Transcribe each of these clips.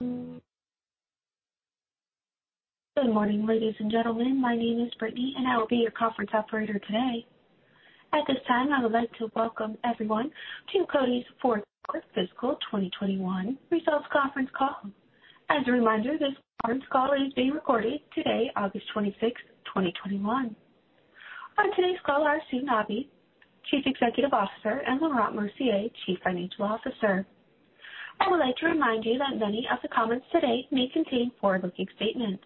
Good morning, ladies and gentlemen. My name is Brittany, and I will be your conference operator today. At this time, I would like to welcome everyone to Coty's fourth quarter fiscal 2021 results conference call. As a reminder, this current call is being recorded today, August 26th, 2021. On today's call are Sue Nabi, Chief Executive Officer, and Laurent Mercier, Chief Financial Officer. I would like to remind you that many of the comments today may contain forward-looking statements.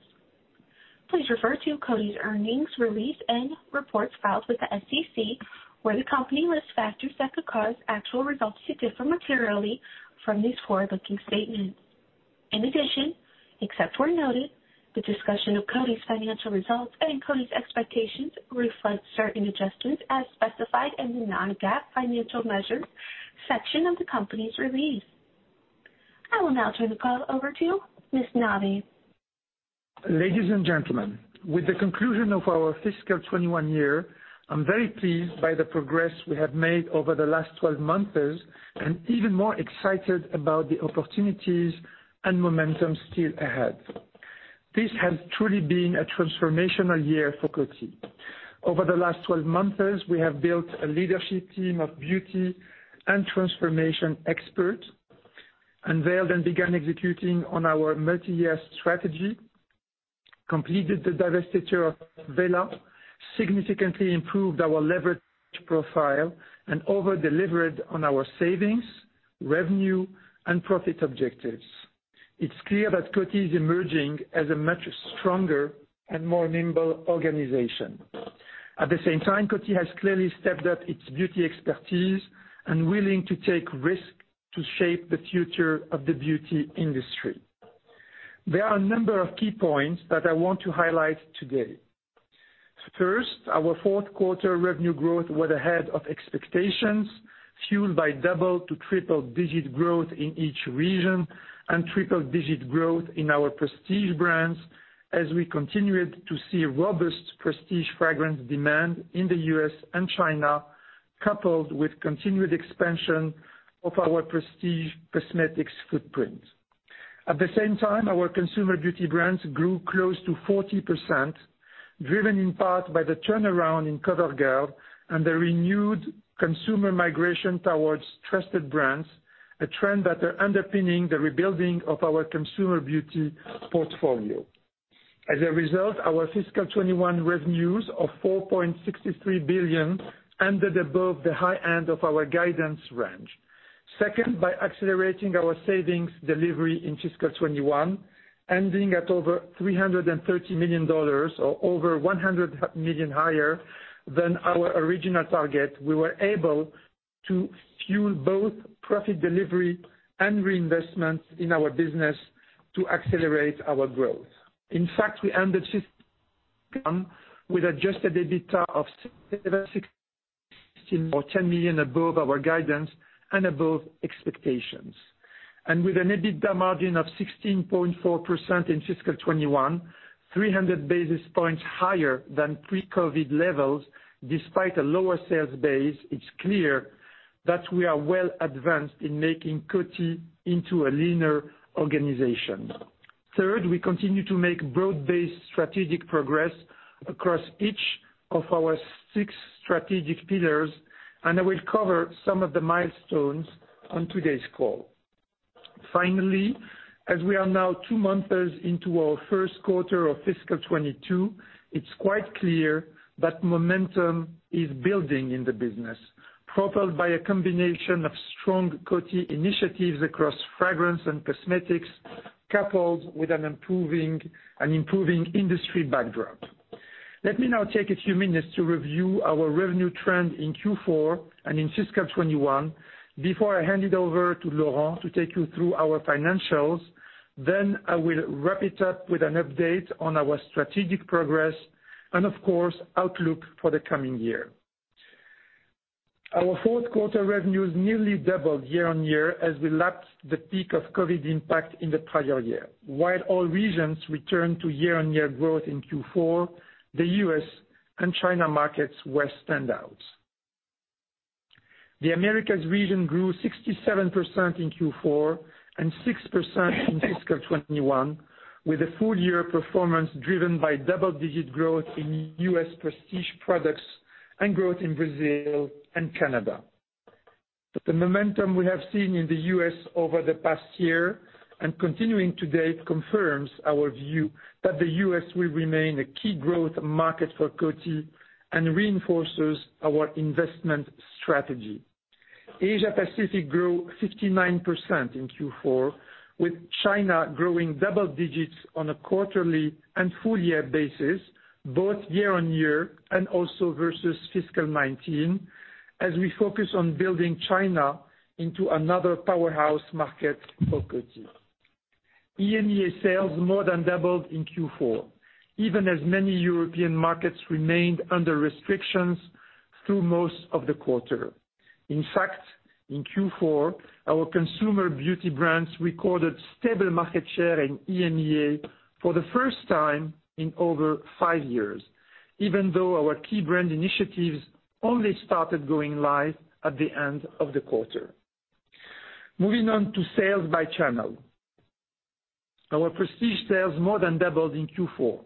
Please refer to Coty's earnings release and reports filed with the SEC where the company lists factors that could cause actual results to differ materially from these forward-looking statements. In addition, except where noted, the discussion of Coty's financial results and Coty's expectations reflect certain adjustments as specified in the non-GAAP financial measures section of the company's release. I will now turn the call over to Ms. Nabi. Ladies and gentlemen, with the conclusion of our fiscal 2021 year, I'm very pleased by the progress we have made over the last 12 months, and even more excited about the opportunities and momentum still ahead. This has truly been a transformational year for Coty. Over the last 12 months, we have built a leadership team of beauty and transformation experts, unveiled and began executing on our multi-year strategy, completed the divestiture of Wella, significantly improved our leverage profile, and over-delivered on our savings, revenue, and profit objectives. It's clear that Coty is emerging as a much stronger and more nimble organization. At the same time, Coty has clearly stepped up its beauty expertise and willing to take risks to shape the future of the beauty industry. There are a number of key points that I want to highlight today. Our fourth quarter revenue growth was ahead of expectations, fueled by double to triple-digit growth in each region and triple-digit growth in our Prestige Brands as we continued to see robust Prestige fragrance demand in the U.S. and China, coupled with continued expansion of our Prestige cosmetics footprint. Our Consumer Beauty Brands grew close to 40%, driven in part by the turnaround in COVERGIRL and the renewed consumer migration towards trusted brands, a trend that are underpinning the rebuilding of our Consumer Beauty portfolio. Our FY 2021 revenues of $4.63 billion ended above the high end of our guidance range. By accelerating our savings delivery in FY 2021, ending at over $330 million, or over $100 million higher than our original target, we were able to fuel both profit delivery and reinvestments in our business to accelerate our growth. In fact, we ended with adjusted EBITDA of $10 million above our guidance and above expectations. With an EBITDA margin of 16.4% in fiscal 2021, 300 basis points higher than pre-COVID levels despite a lower sales base, it's clear that we are well advanced in making Coty into a leaner organization. Third, we continue to make broad-based strategic progress across each of our six strategic pillars, and I will cover some of the milestones on today's call. Finally, as we are now two months into our first quarter of fiscal 2022, it's quite clear that momentum is building in the business, propelled by a combination of strong Coty initiatives across fragrance and cosmetics, coupled with an improving industry backdrop. Let me now take a few minutes to review our revenue trend in Q4 and in FY 2021 before I hand it over to Laurent to take you through our financials. I will wrap it up with an update on our strategic progress and, of course, outlook for the coming year. Our fourth quarter revenues nearly doubled year-on-year as we lapped the peak of COVID impact in the prior year. While all regions returned to year-on-year growth in Q4, the U.S. and China markets were standouts. The Americas region grew 67% in Q4 and 6% in FY 2021, with a full-year performance driven by double-digit growth in U.S. prestige products and growth in Brazil and Canada. The momentum we have seen in the U.S. over the past year and continuing today confirms our view that the U.S. will remain a key growth market for Coty and reinforces our investment strategy. Asia Pacific grew 59% in Q4, with China growing double digits on a quarterly and full-year basis, both year-on-year and also versus fiscal 2019, as we focus on building China into another powerhouse market for Coty. EMEA sales more than doubled in Q4, even as many European markets remained under restrictions through most of the quarter. In fact, in Q4, our consumer beauty brands recorded stable market share in EMEA for the first time in over five years. Our key brand initiatives only started going live at the end of the quarter. Moving on to sales by channel. Our prestige sales more than doubled in Q4,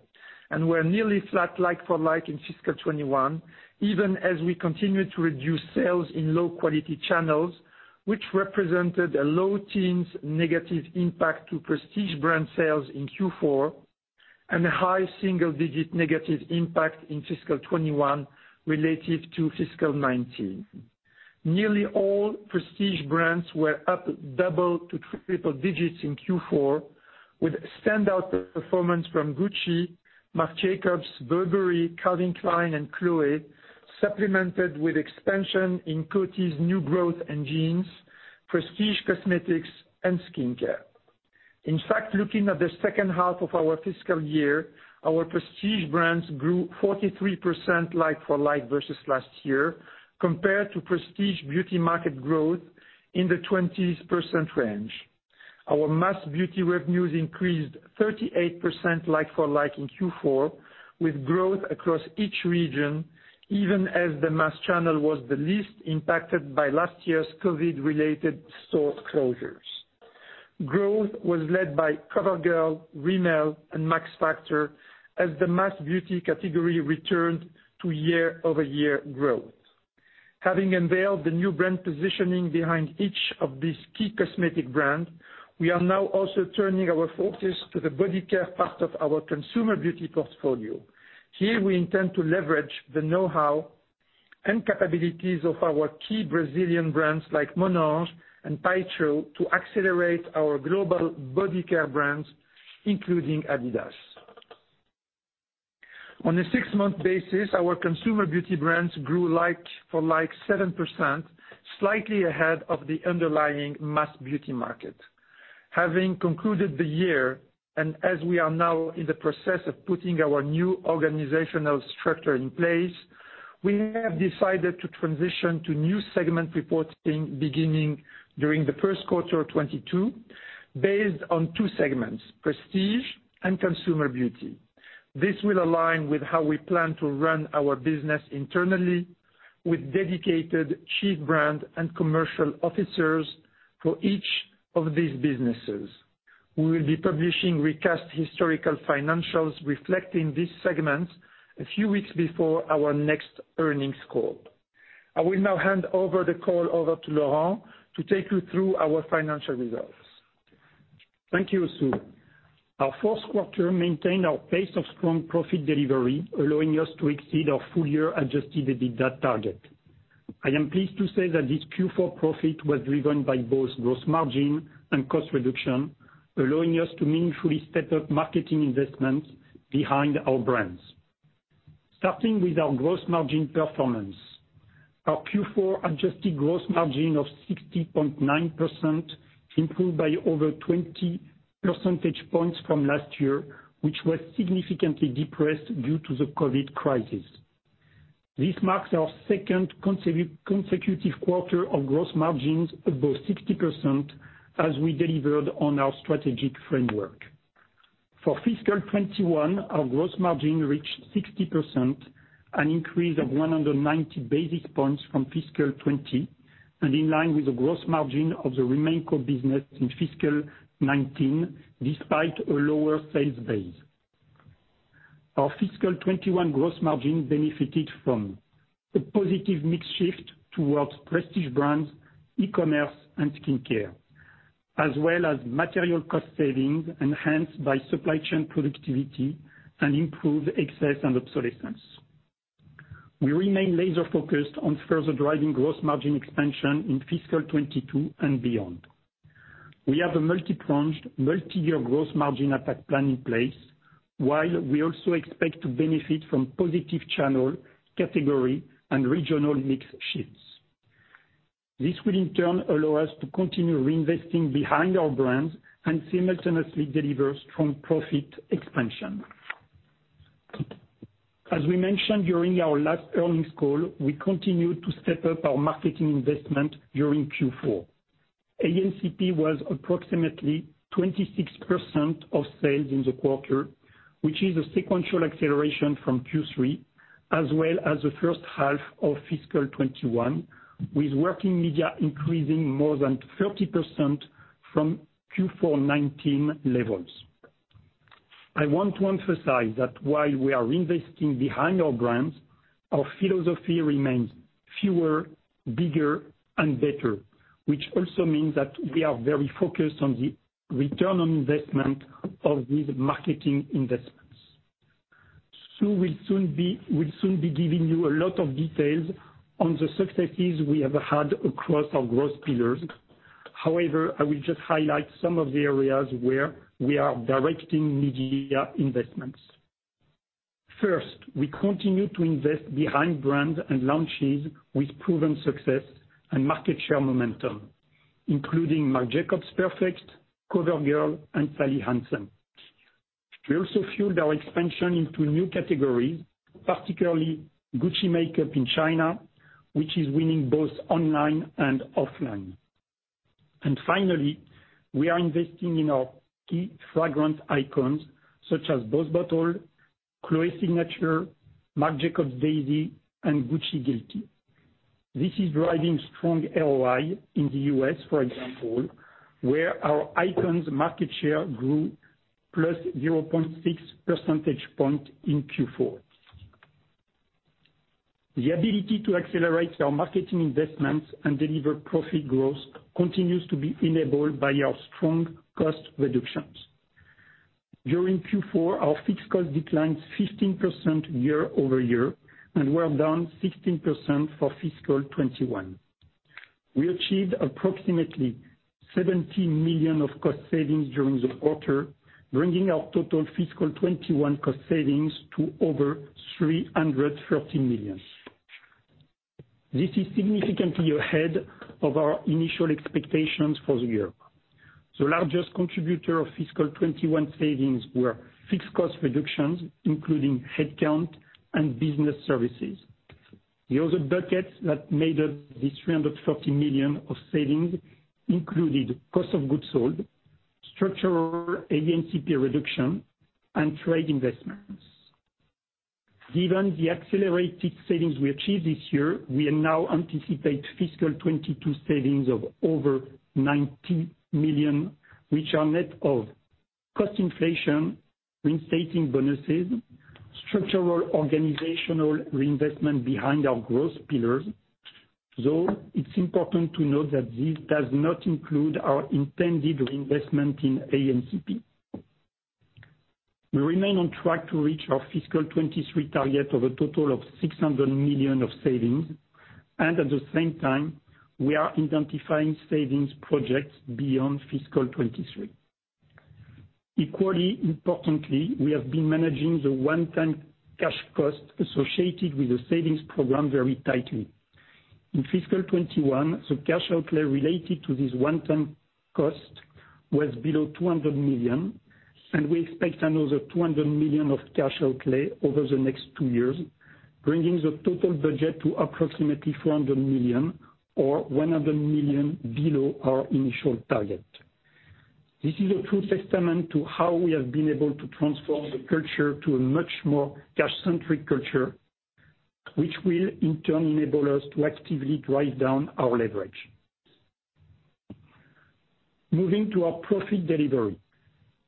and were nearly flat like-for-like in fiscal 2021, even as we continued to reduce sales in low teens channels, which represented a low teens negative impact to prestige brand sales in Q4, and a high single-digit negative impact in fiscal 2021 relative to fiscal 2019. Nearly all prestige brands were up double to triple digits in Q4, with standout performance from Gucci, Marc Jacobs, Burberry, Calvin Klein, and Chloé, supplemented with expansion in Coty's new growth engines, prestige cosmetics, and skincare. In fact, looking at the second half of our fiscal year, our prestige brands grew 43% like-for-like versus last year, compared to prestige beauty market growth in the 20% range. Our mass beauty revenues increased 38% like-for-like in Q4, with growth across each region, even as the mass channel was the least impacted by last year's COVID-related store closures. Growth was led by COVERGIRL, Rimmel, and Max Factor, as the mass beauty category returned to year-over-year growth. Having unveiled the new brand positioning behind each of these key cosmetic brand, we are now also turning our focus to the body care part of our consumer beauty portfolio. Here we intend to leverage the know-how and capabilities of our key Brazilian brands like Monange and Paixão to accelerate our global body care brands, including Adidas. On a six-month basis, our Consumer Beauty brands grew like-for-like 7%, slightly ahead of the underlying mass beauty market. Having concluded the year, and as we are now in the process of putting our new organizational structure in place, we have decided to transition to new segment reporting beginning during the first quarter of 2022, based on two segments, Prestige and Consumer Beauty. This will align with how we plan to run our business internally, with dedicated chief brand and commercial officers for each of these businesses. We will be publishing recast historical financials reflecting these segments a few weeks before our next earnings call. I will now hand over the call to Laurent to take you through our financial results. Thank you, Sue. Our fourth quarter maintained our pace of strong profit delivery, allowing us to exceed our full-year adjusted EBITDA target. I am pleased to say that this Q4 profit was driven by both gross margin and cost reduction, allowing us to meaningfully step up marketing investments behind our brands. Starting with our gross margin performance, our Q4 adjusted gross margin of 60.9% improved by over 20 percentage points from last year, which was significantly depressed due to the COVID crisis. This marks our second consecutive quarter of gross margins above 60%, as we delivered on our strategic framework. For FY 2021, our gross margin reached 60%, an increase of 190 basis points from FY 2020, and in line with the gross margin of the remaining core business in FY 2019, despite a lower sales base. Our fiscal 2021 gross margin benefited from a positive mix shift towards prestige brands, e-commerce, and skincare, as well as material cost savings enhanced by supply chain productivity and improved excess and obsolescence. We remain laser-focused on further driving gross margin expansion in fiscal 2022 and beyond. We have a multipronged, multiyear gross margin attack plan in place, while we also expect to benefit from positive channel, category, and regional mix shifts. This will in turn allow us to continue reinvesting behind our brands and simultaneously deliver strong profit expansion. As we mentioned during our last earnings call, we continued to step up our marketing investment during Q4. A&CP was approximately 26% of sales in the quarter, which is a sequential acceleration from Q3 as well as the first half of fiscal 2021, with working media increasing more than 30% from Q4 2019 levels. I want to emphasize that while we are investing behind our brands, our philosophy remains fewer, bigger, and better, which also means that we are very focused on the return on investment of these marketing investments. Sue will soon be giving you a lot of details on the successes we have had across our growth pillars. However, I will just highlight some of the areas where we are directing media investments. First, we continue to invest behind brands and launches with proven success and market share momentum, including Marc Jacobs Perfect, COVERGIRL, and Sally Hansen. We also fueled our expansion into new categories, particularly Gucci makeup in China, which is winning both online and offline. Finally, we are investing in our key fragrance icons such as Boss Bottled, Chloé Signature, Marc Jacobs Daisy, and Gucci Guilty. This is driving strong ROI in the U.S., for example, where our icons market share grew +0.6 percentage point in Q4. The ability to accelerate our marketing investments and deliver profit growth continues to be enabled by our strong cost reductions. During Q4, our fixed cost declines 15% year-over-year, and we're down 16% for FY 2021. We achieved approximately 17 million of cost savings during the quarter, bringing our total FY 2021 cost savings to over 330 million. This is significantly ahead of our initial expectations for the year. The largest contributor of FY 2021 savings were fixed cost reductions, including headcount and business services. The other buckets that made up this 330 million of savings included cost of goods sold, structural A&CP reduction, and trade investments. Given the accelerated savings we achieved this year, we now anticipate fiscal 2022 savings of over 90 million, which are net of cost inflation, reinstating bonuses, structural organizational reinvestment behind our growth pillars, though it's important to note that this does not include our intended reinvestment in A&CP. We remain on track to reach our fiscal 2023 target of a total of 600 million of savings. At the same time, we are identifying savings projects beyond fiscal 2023. Equally importantly, we have been managing the one-time cash cost associated with the savings program very tightly. In fiscal 2021, the cash outlay related to this one-time cost was below 200 million. We expect another 200 million of cash outlay over the next two years, bringing the total budget to approximately 400 million or 100 million below our initial target. This is a true testament to how we have been able to transform the culture to a much more cash-centric culture, which will in turn enable us to actively drive down our leverage. Moving to our profit delivery.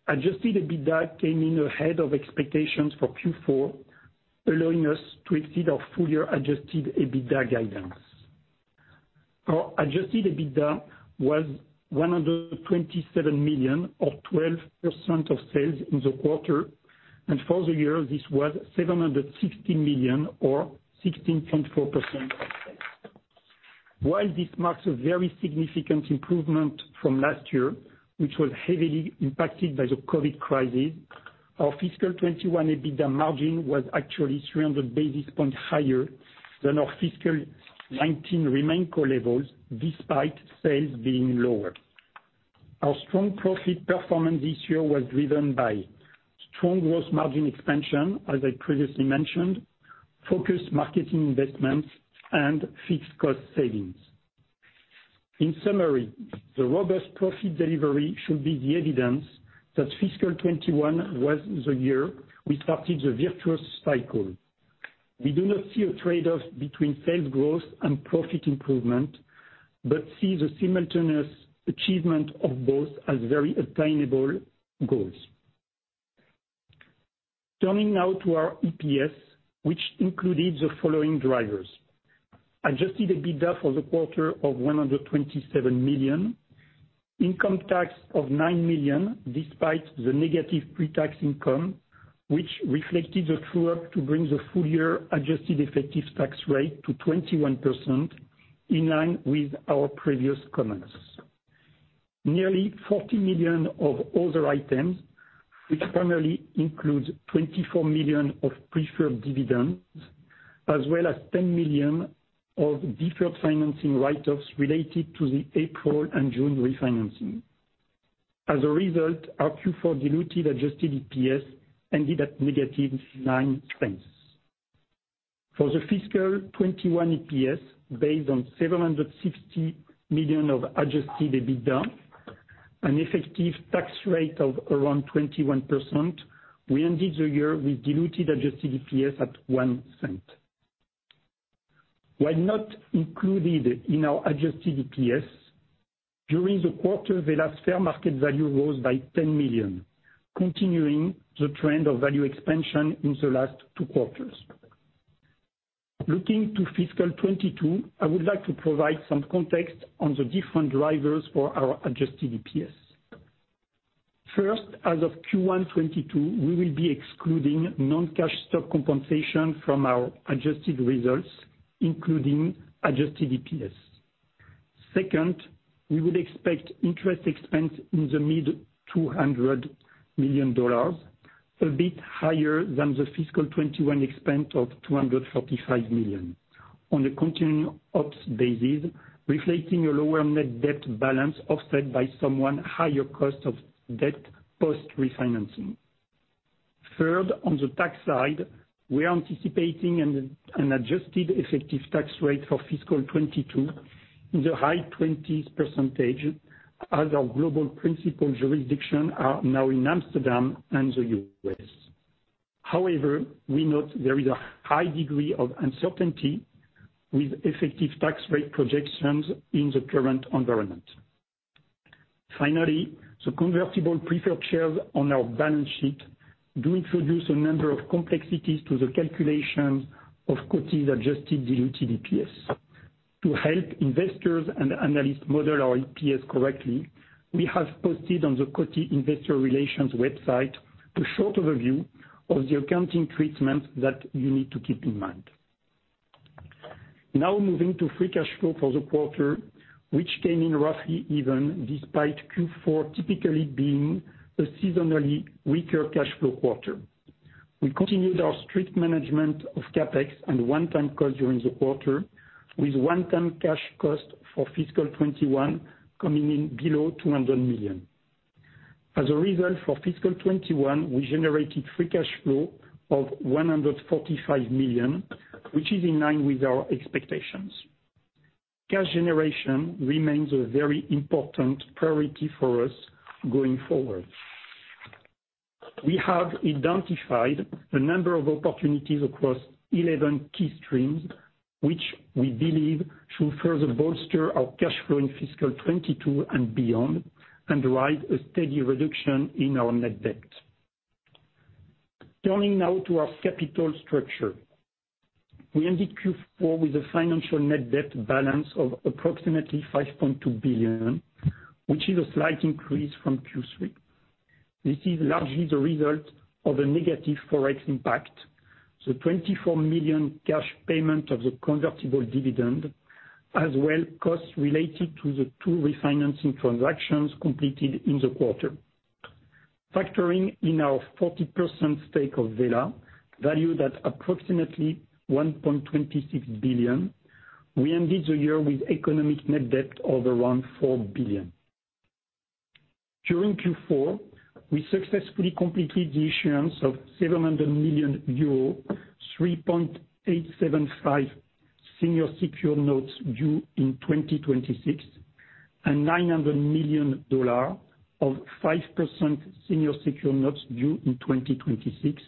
Adjusted EBITDA came in ahead of expectations for Q4, allowing us to exceed our full-year adjusted EBITDA guidance. Our adjusted EBITDA was $127 million or 12% of sales in the quarter, and for the year, this was $760 million or 16.4% of sales. While this marks a very significant improvement from last year, which was heavily impacted by the COVID crisis, our fiscal 2021 EBITDA margin was actually 300 basis points higher than our fiscal 2019 RemainCo levels, despite sales being lower. Our strong profit performance this year was driven by strong gross margin expansion, as I previously mentioned, focused marketing investments, and fixed cost savings. In summary, the robust profit delivery should be the evidence that fiscal 2021 was the year we started the virtuous cycle. We do not see a trade-off between sales growth and profit improvement, but see the simultaneous achievement of both as very attainable goals. Turning now to our EPS, which included the following drivers. Adjusted EBITDA for the quarter of $127 million, income tax of $9 million, despite the negative pre-tax income, which reflected the true-up to bring the full year adjusted effective tax rate to 21%, in line with our previous comments. Nearly $40 million of other items, which primarily includes $24 million of preferred dividends, as well as $10 million of deferred financing write-offs related to the April and June refinancing. As a result, our Q4 diluted adjusted EPS ended at -$0.09. For the fiscal 2021 EPS, based on $760 million of adjusted EBITDA, an effective tax rate of around 21%, we ended the year with diluted adjusted EPS at $0.01. While not included in our adjusted EPS, during the quarter, Wella's fair market value rose by $10 million, continuing the trend of value expansion in the last two quarters. Looking to fiscal 2022, I would like to provide some context on the different drivers for our adjusted EPS. First, as of Q1 2022, we will be excluding non-cash stock compensation from our adjusted results, including adjusted EPS. Second, we would expect interest expense in the mid $200 million, a bit higher than the fiscal 2021 expense of $245 million. On a continuing ops basis, reflecting a lower net debt balance offset by somewhat higher cost of debt post-refinancing. Third, on the tax side, we are anticipating an adjusted effective tax rate for fiscal 2022 in the high 20s% as our global principal jurisdiction are now in Amsterdam and the U.S. However, we note there is a high degree of uncertainty with effective tax rate projections in the current environment. Finally, the convertible preferred shares on our balance sheet do introduce a number of complexities to the calculation of Coty's adjusted diluted EPS. To help investors and analysts model our EPS correctly, we have posted on the Coty investor relations website a short overview of the accounting treatment that you need to keep in mind. Now moving to free cash flow for the quarter, which came in roughly even despite Q4 typically being a seasonally weaker cash flow quarter. We continued our strict management of CapEx and one-time costs during the quarter, with one-time cash cost for fiscal 2021 coming in below $200 million. As a result, for fiscal 2021, we generated free cash flow of $145 million, which is in line with our expectations. Cash generation remains a very important priority for us going forward. We have identified a number of opportunities across 11 key streams, which we believe should further bolster our cash flow in fiscal 2022 and beyond and drive a steady reduction in our net debt. Turning now to our capital structure. We ended Q4 with a financial net debt balance of approximately $5.2 billion, which is a slight increase from Q3. This is largely the result of a negative forex impact, the $24 million cash payment of the convertible dividend, as well costs related to the two refinancing transactions completed in the quarter. Factoring in our 40% stake of Wella, valued at approximately $1.26 billion, we ended the year with economic net debt of around $4 billion. During Q4, we successfully completed the issuance of 700 million euro, 3.875% senior secured notes due in 2026, and $900 million of 5% senior secured notes due in 2026,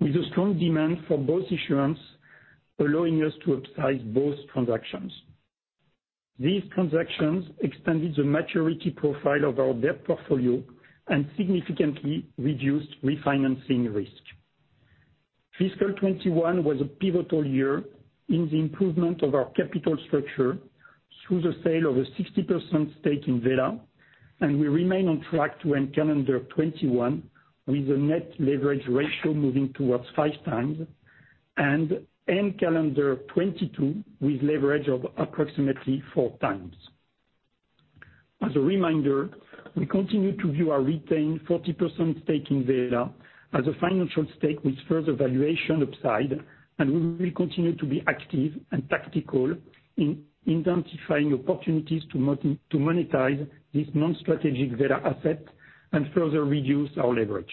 with a strong demand for both issuance, allowing us to upsize both transactions. These transactions extended the maturity profile of our debt portfolio and significantly reduced refinancing risk. Fiscal 2021 was a pivotal year in the improvement of our capital structure through the sale of a 60% stake in Wella, and we remain on track to end calendar 2021 with a net leverage ratio moving towards five times, and end calendar 2022 with leverage of approximately four times. As a reminder, we continue to view our retained 40% stake in Wella as a financial stake with further valuation upside, and we will continue to be active and tactical in identifying opportunities to monetize this non-strategic Wella asset and further reduce our leverage.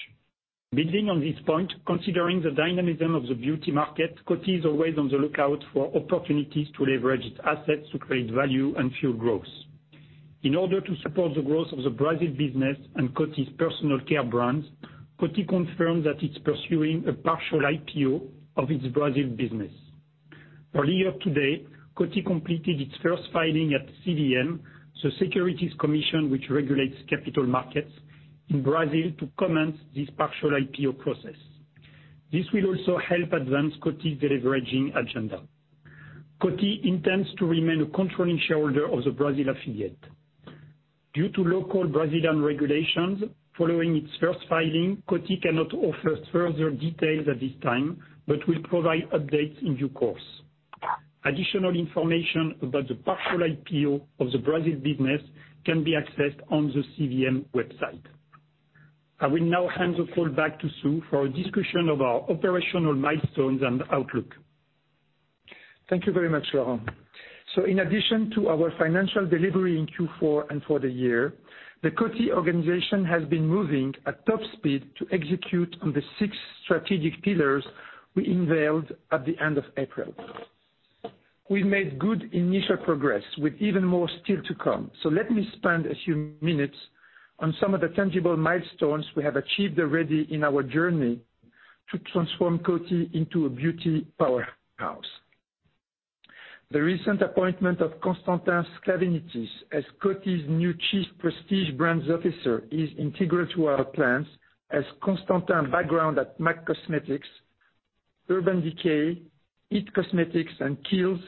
Building on this point, considering the dynamism of the beauty market, Coty is always on the lookout for opportunities to leverage its assets to create value and fuel growth. In order to support the growth of the Brazil business and Coty's personal care brands, Coty confirms that it's pursuing a partial IPO of its Brazil business. Earlier today, Coty completed its first filing at CVM, the securities commission which regulates capital markets in Brazil, to commence this partial IPO process. This will also help advance Coty's deleveraging agenda. Coty intends to remain a controlling shareholder of the Brazil affiliate. Due to local Brazilian regulations, following its first filing, Coty cannot offer further details at this time but will provide updates in due course. Additional information about the partial IPO of the Brazil business can be accessed on the CVM website. I will now hand the call back to Sue for a discussion of our operational milestones and outlook. Thank you very much, Laurent. In addition to our financial delivery in Q4 and for the year, the Coty organization has been moving at top speed to execute on the six strategic pillars we unveiled at the end of April. We've made good initial progress with even more still to come. Let me spend a few minutes on some of the tangible milestones we have achieved already in our journey to transform Coty into a beauty powerhouse. The recent appointment of Constantin Sklavenitis as Coty's new Chief Prestige Brands Officer is integral to our plans, as Constantin background at MAC Cosmetics, Urban Decay, IT Cosmetics, and Kiehl's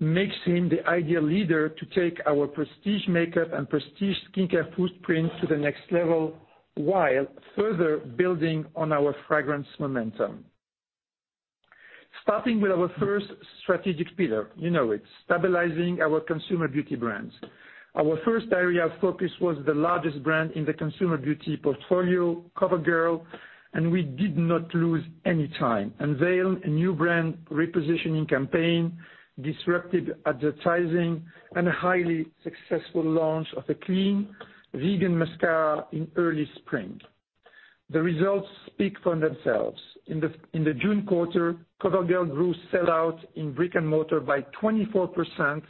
makes him the ideal leader to take our prestige makeup and prestige skincare footprint to the next level while further building on our fragrance momentum. Starting with our first strategic pillar, you know it, stabilizing our consumer beauty brands. Our first area of focus was the largest brand in the consumer beauty portfolio, COVERGIRL, and we did not lose any time. We unveiled a new brand repositioning campaign, disruptive advertising, and a highly successful launch of a clean, vegan mascara in early spring. The results speak for themselves. In the June quarter, COVERGIRL grew sell-out in brick and mortar by 24%,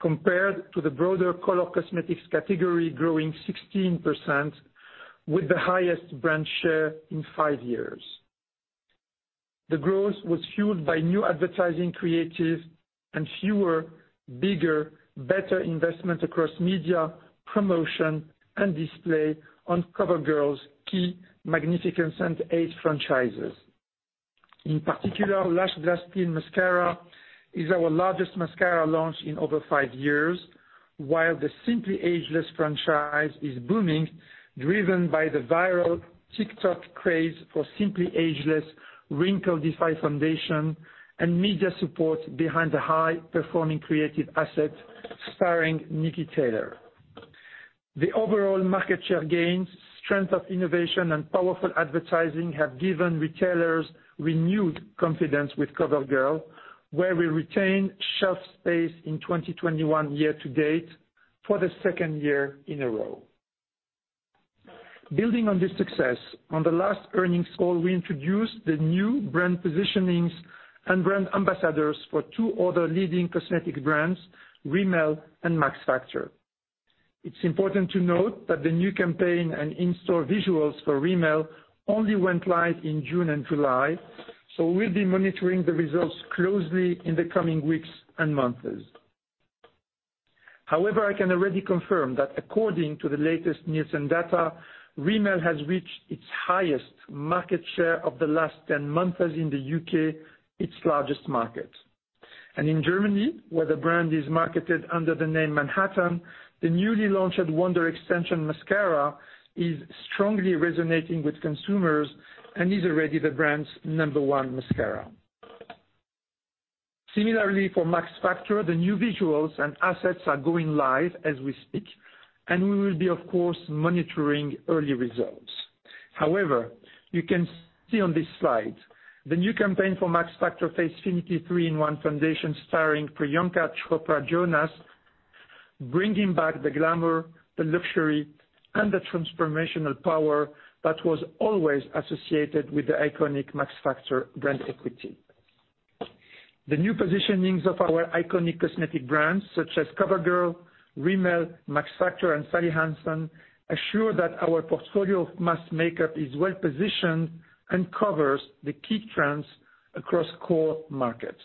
compared to the broader color cosmetics category growing 16%, with the highest brand share in five years. The growth was fueled by new advertising creatives and fewer, bigger, better investment across media, promotion, and display on COVERGIRL's key Magnificence and ACE franchises. In particular, Lash Blast XL Mascara is our largest mascara launch in over five years, while the Simply Ageless franchise is booming, driven by the viral TikTok craze for Simply Ageless Instant Wrinkle-Defying Foundation, and media support behind the high-performing creative assets starring Niki Taylor. The overall market share gains, strength of innovation, and powerful advertising have given retailers renewed confidence with COVERGIRL, where we retain shelf space in 2021 year-to-date for the second year in a row. Building on this success, on the last earnings call, we introduced the new brand positionings and brand ambassadors for two other leading cosmetic brands, Rimmel and Max Factor. It's important to note that the new campaign and in-store visuals for Rimmel only went live in June and July, so we'll be monitoring the results closely in the coming weeks and months. I can already confirm that according to the latest Nielsen data, Rimmel has reached its highest market share of the last 10 months in the U.K., its largest market. In Germany, where the brand is marketed under the name Manhattan, the newly launched Wonder'Extension Mascara is strongly resonating with consumers and is already the brand's number one mascara. Similarly, for Max Factor, the new visuals and assets are going live as we speak, and we will be, of course, monitoring early results. However, you can see on this slide the new campaign for Max Factor Facefinity 3-in-1 Foundation starring Priyanka Chopra Jonas, bringing back the glamour, the luxury, and the transformational power that was always associated with the iconic Max Factor brand equity. The new positionings of our iconic cosmetic brands such as COVERGIRL, Rimmel, Max Factor, and Sally Hansen assure that our portfolio of mass makeup is well-positioned and covers the key trends across core markets.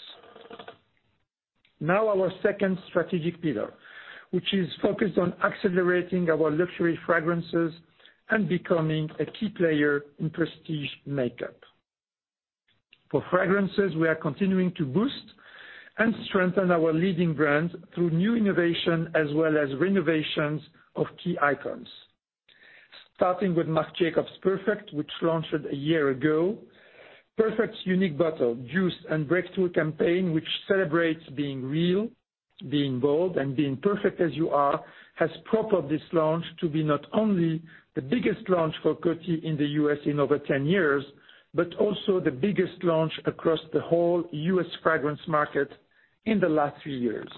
Our second strategic pillar, which is focused on accelerating our luxury fragrances and becoming a key player in prestige makeup. For fragrances, we are continuing to boost and strengthen our leading brands through new innovation as well as renovations of key icons. Starting with Marc Jacobs Perfect, which launched a year ago. Perfect's unique bottle, juice, and breakthrough campaign, which celebrates being real, being bold, and being perfect as you are, has propelled this launch to be not only the biggest launch for Coty in the U.S. in over 10 years, but also the biggest launch across the whole U.S. fragrance market in the last few years.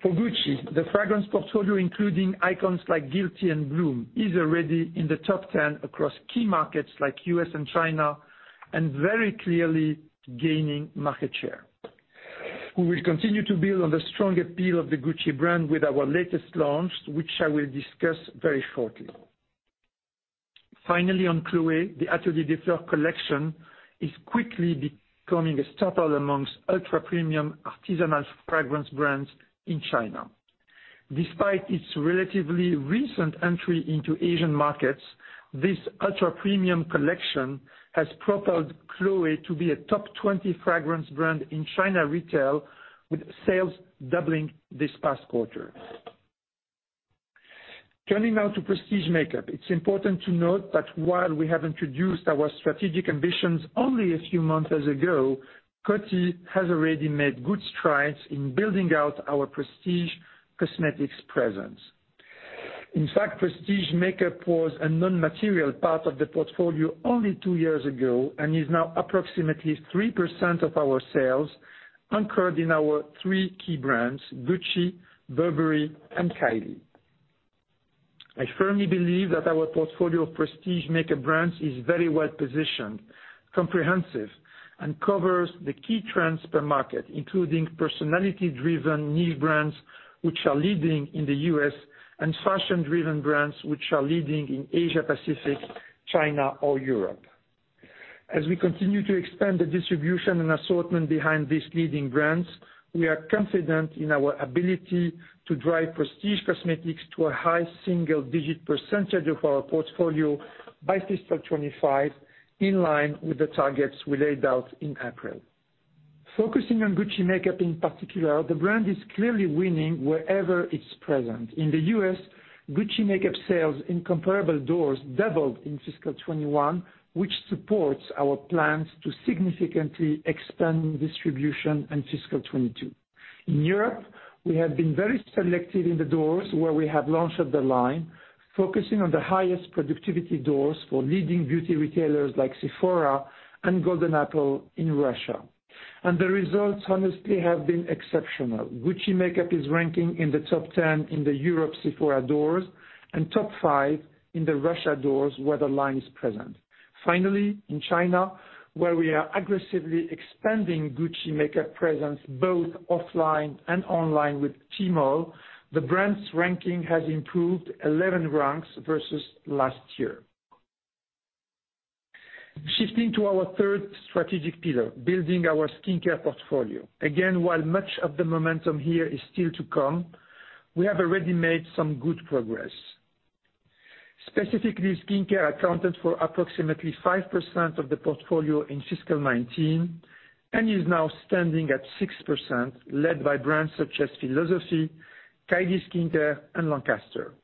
For Gucci, the fragrance portfolio, including icons like Gucci Guilty and Gucci Bloom, is already in the top 10 across key markets like U.S. and China, and very clearly gaining market share. We will continue to build on the strong appeal of the Gucci brand with our latest launch, which I will discuss very shortly. Finally, on Chloé, the Atelier des Fleurs collection is quickly becoming a stopper amongst ultra-premium artisanal fragrance brands in China. Despite its relatively recent entry into Asian markets, this ultra-premium collection has propelled Chloé to be a top 20 fragrance brand in China retail, with sales doubling this past quarter. Turning now to prestige makeup, it's important to note that while we have introduced our strategic ambitions only a few months ago, Coty has already made good strides in building out our prestige cosmetics presence. In fact, prestige makeup was a non-material part of the portfolio only two years ago and is now approximately 3% of our sales, anchored in our three key brands, Gucci, Burberry, and Kylie. I firmly believe that our portfolio of prestige makeup brands is very well-positioned, comprehensive, and covers the key trends per market, including personality-driven niche brands, which are leading in the U.S., and fashion-driven brands, which are leading in Asia-Pacific, China, or Europe. As we continue to expand the distribution and assortment behind these leading brands, we are confident in our ability to drive prestige cosmetics to a high single-digit percentage of our portfolio by fiscal 2025, in line with the targets we laid out in April. Focusing on Gucci makeup in particular, the brand is clearly winning wherever it's present. In the U.S., Gucci makeup sales in comparable doors doubled in fiscal 2021, which supports our plans to significantly expand distribution in fiscal 2022. In Europe, we have been very selective in the doors where we have launched the line, focusing on the highest productivity doors for leading beauty retailers like Sephora and Golden Apple in Russia. The results honestly have been exceptional. Gucci makeup is ranking in the top 10 in the Europe Sephora doors and top five in the Russia doors where the line is present. In China, where we are aggressively expanding Gucci makeup presence both offline and online with Tmall, the brand's ranking has improved 11 ranks versus last year. Shifting to our third strategic pillar, building our skincare portfolio. Again, while much of the momentum here is still to come, we have already made some good progress. Specifically, skincare accounted for approximately 5% of the portfolio in fiscal 2019, and is now standing at 6%, led by brands such as Philosophy, Kylie Skin, and Lancaster.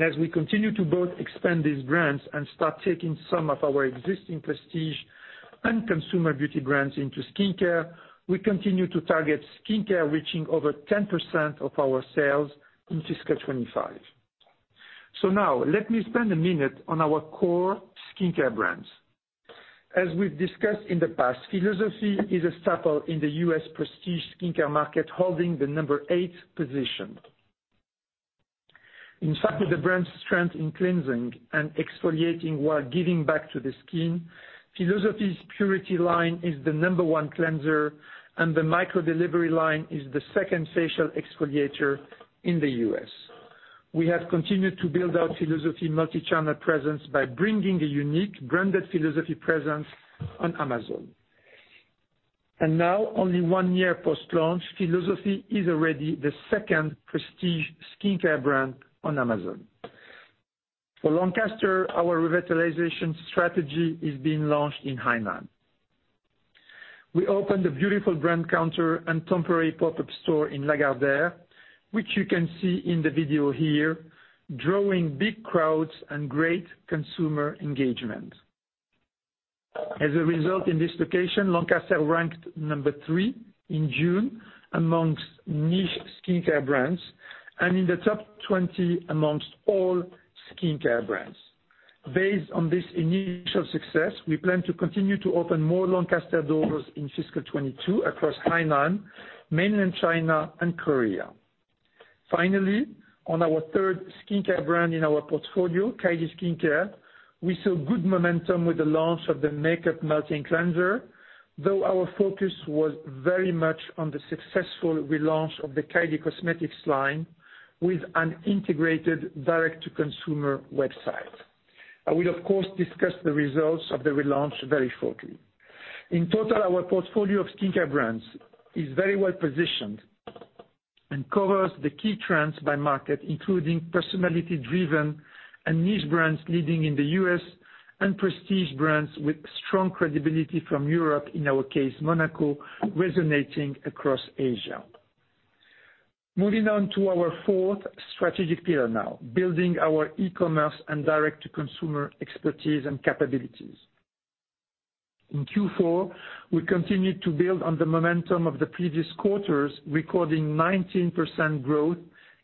As we continue to both expand these brands and start taking some of our existing prestige and consumer beauty brands into skincare, we continue to target skincare reaching over 10% of our sales in FY 2025. Now, let me spend a minute on our core skincare brands. As we've discussed in the past, Philosophy is a staple in the U.S. prestige skincare market, holding the number eight position. In fact, with the brand's strength in cleansing and exfoliating while giving back to the skin, Philosophy's Purity line is the number one cleanser, and the Microdelivery line is the second facial exfoliator in the U.S. We have continued to build out Philosophy multi-channel presence by bringing a unique branded Philosophy presence on Amazon. Now only one year post-launch, Philosophy is already the second prestige skincare brand on Amazon. For Lancaster, our revitalization strategy is being launched in Hainan. We opened a beautiful brand counter and temporary pop-up store in Lagardère, which you can see in the video here, drawing big crowds and great consumer engagement. As a result, in this location, Lancaster ranked number three in June amongst niche skincare brands, and in the top 20 amongst all skincare brands. Based on this initial success, we plan to continue to open more Lancaster doors in fiscal 2022 across Hainan, Mainland China, and Korea. Finally, on our third skincare brand in our portfolio, Kylie Skin, we saw good momentum with the launch of the Makeup Melting Cleanser, though our focus was very much on the successful relaunch of the Kylie Cosmetics line with an integrated direct-to-consumer website. I will, of course, discuss the results of the relaunch very shortly. In total, our portfolio of skincare brands is very well positioned and covers the key trends by market, including personality-driven and niche brands leading in the U.S., and prestige brands with strong credibility from Europe, in our case, Monaco, resonating across Asia. Moving on to our fourth strategic pillar now, building our e-commerce and direct-to-consumer expertise and capabilities. In Q4, we continued to build on the momentum of the previous quarters, recording 19% growth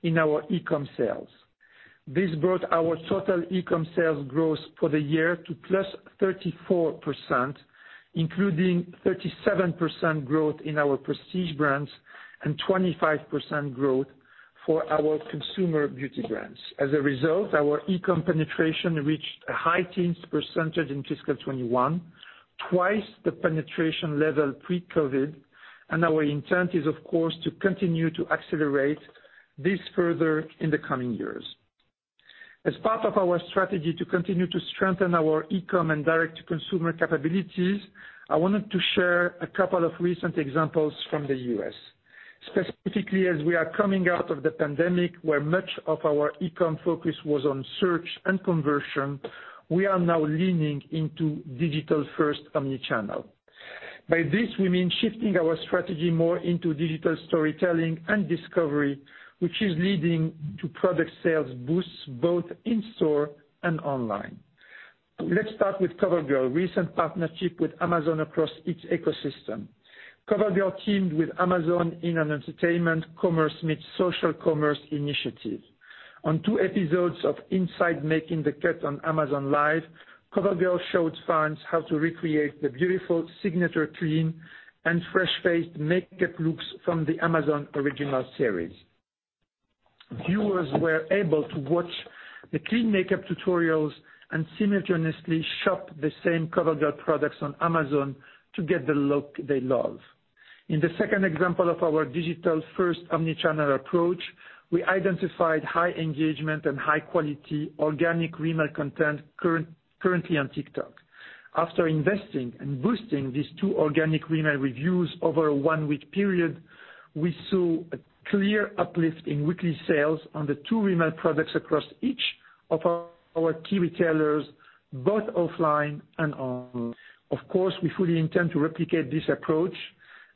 in our e-com sales. This brought our total e-com sales growth for the year to +34%, including 37% growth in our prestige brands and 25% growth for our consumer beauty brands. As a result, our e-com penetration reached a high teens percentage in fiscal 2021, twice the penetration level pre-COVID. Our intent is, of course, to continue to accelerate this further in the coming years. As part of our strategy to continue to strengthen our e-com and direct-to-consumer capabilities, I wanted to share a couple of recent examples from the U.S. Specifically, as we are coming out of the pandemic, where much of our e-com focus was on search and conversion, we are now leaning into digital-first omnichannel. By this, we mean shifting our strategy more into digital storytelling and discovery, which is leading to product sales boosts both in store and online. Let's start with COVERGIRL recent partnership with Amazon across its ecosystem. COVERGIRL teamed with Amazon in an entertainment commerce-meet-social commerce initiative. On two episodes of Inside Making the Cut on Amazon Live, COVERGIRL showed fans how to recreate the beautiful signature clean and fresh-faced makeup looks from the Amazon original series. Viewers were able to watch the clean makeup tutorials and simultaneously shop the same COVERGIRL products on Amazon to get the look they love. In the second example of our digital-first omnichannel approach, we identified high engagement and high-quality organic Rimmel content currently on TikTok. After investing and boosting these two organic Rimmel reviews over a one-week period, we saw a clear uplift in weekly sales on the two Rimmel products across each of our key retailers, both offline and online. Of course, we fully intend to replicate this approach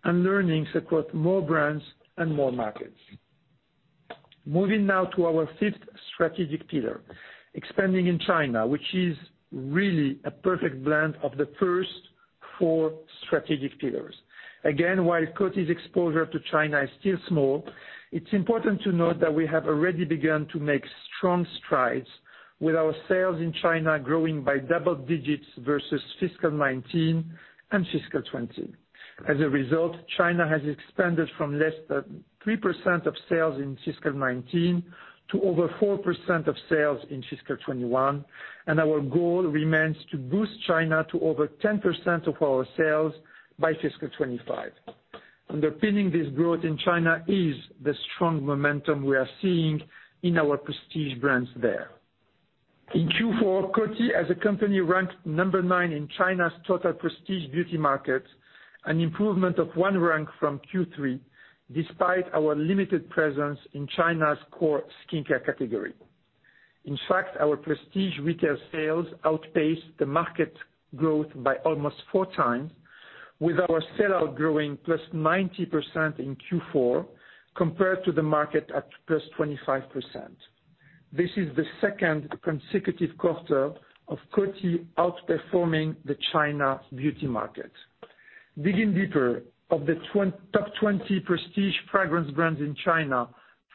and learnings across more brands and more markets. Moving now to our fifth strategic pillar, expanding in China, which is really a perfect blend of the first four strategic pillars. Again, while Coty's exposure to China is still small, it's important to note that we have already begun to make strong strides with our sales in China growing by double digits versus fiscal 2019 and fiscal 2020. As a result, China has expanded from less than 3% of sales in fiscal 2019 to over 4% of sales in fiscal 2021, and our goal remains to boost China to over 10% of our sales by fiscal 2025. Underpinning this growth in China is the strong momentum we are seeing in our prestige brands there. In Q4, Coty as a company ranked number nine in China's total prestige beauty market, an improvement of one rank from Q3, despite our limited presence in China's core skincare category. In fact, our prestige retail sales outpaced the market growth by almost four times, with our sellout growing +90% in Q4 compared to the market at +25%. This is the second consecutive quarter of Coty outperforming the China beauty market. Digging deeper, of the top 20 prestige fragrance brands in China,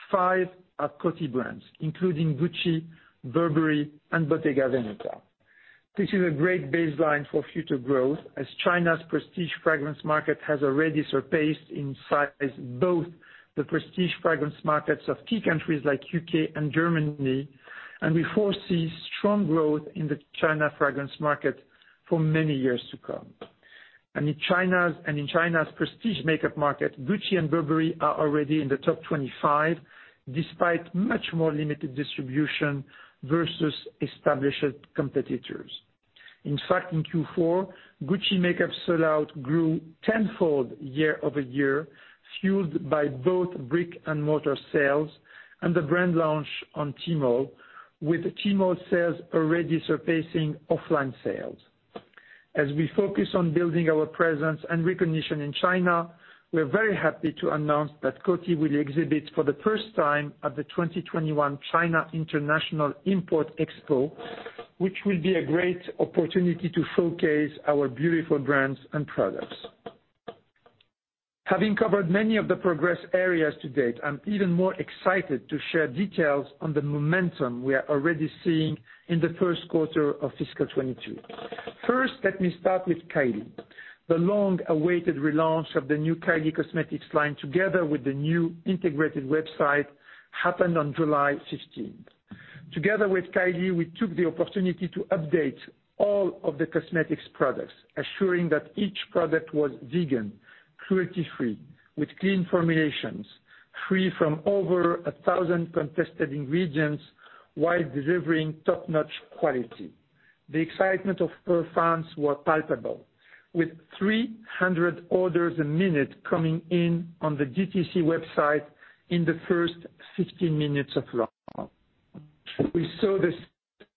five are Coty brands, including Gucci, Burberry, and Bottega Veneta. This is a great baseline for future growth, as China's prestige fragrance market has already surpassed in size both the prestige fragrance markets of key countries like U.K. and Germany. We foresee strong growth in the China fragrance market for many years to come. In China's prestige makeup market, Gucci and Burberry are already in the top 25, despite much more limited distribution versus established competitors. In Q4, Gucci Beauty sellout grew tenfold year-over-year, fueled by both brick-and-mortar sales and the brand launch on Tmall, with Tmall sales already surpassing offline sales. As we focus on building our presence and recognition in China, we're very happy to announce that Coty will exhibit for the first time at the 2021 China International Import Expo, which will be a great opportunity to showcase our beautiful brands and products. Having covered many of the progress areas to date, I'm even more excited to share details on the momentum we are already seeing in the first quarter of fiscal 2022. First, let me start with Kylie. The long-awaited relaunch of the new Kylie Cosmetics line, together with the new integrated website, happened on July 16th. Together with Kylie, we took the opportunity to update all of the cosmetics products, assuring that each product was vegan, cruelty-free, with clean formulations, free from over 1,000 contested ingredients, while delivering top-notch quality. The excitement of her fans was palpable, with 300 orders a minute coming in on the DTC website in the first 60 minutes of launch. We saw the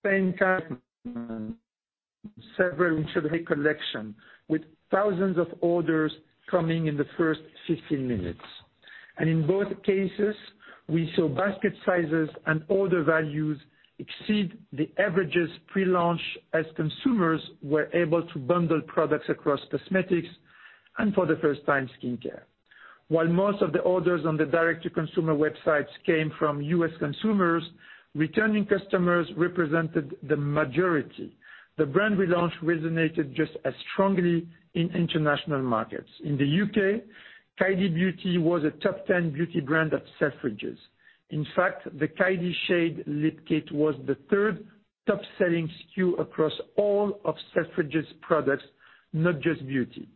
same kind several in the collection, with thousands of orders coming in the first 60 minutes. In both cases, we saw basket sizes and order values exceed the averages pre-launch as consumers were able to bundle products across cosmetics and, for the first time, skincare. While most of the orders on the direct-to-consumer websites came from U.S. consumers, returning customers represented the majority. The brand relaunch resonated just as strongly in international markets. In the U.K., Kylie Beauty was a top 10 beauty brand at Selfridges. In fact, the Kylie Shade Lip Kit was the third top-selling SKU across all of Selfridges' products, not just beauty.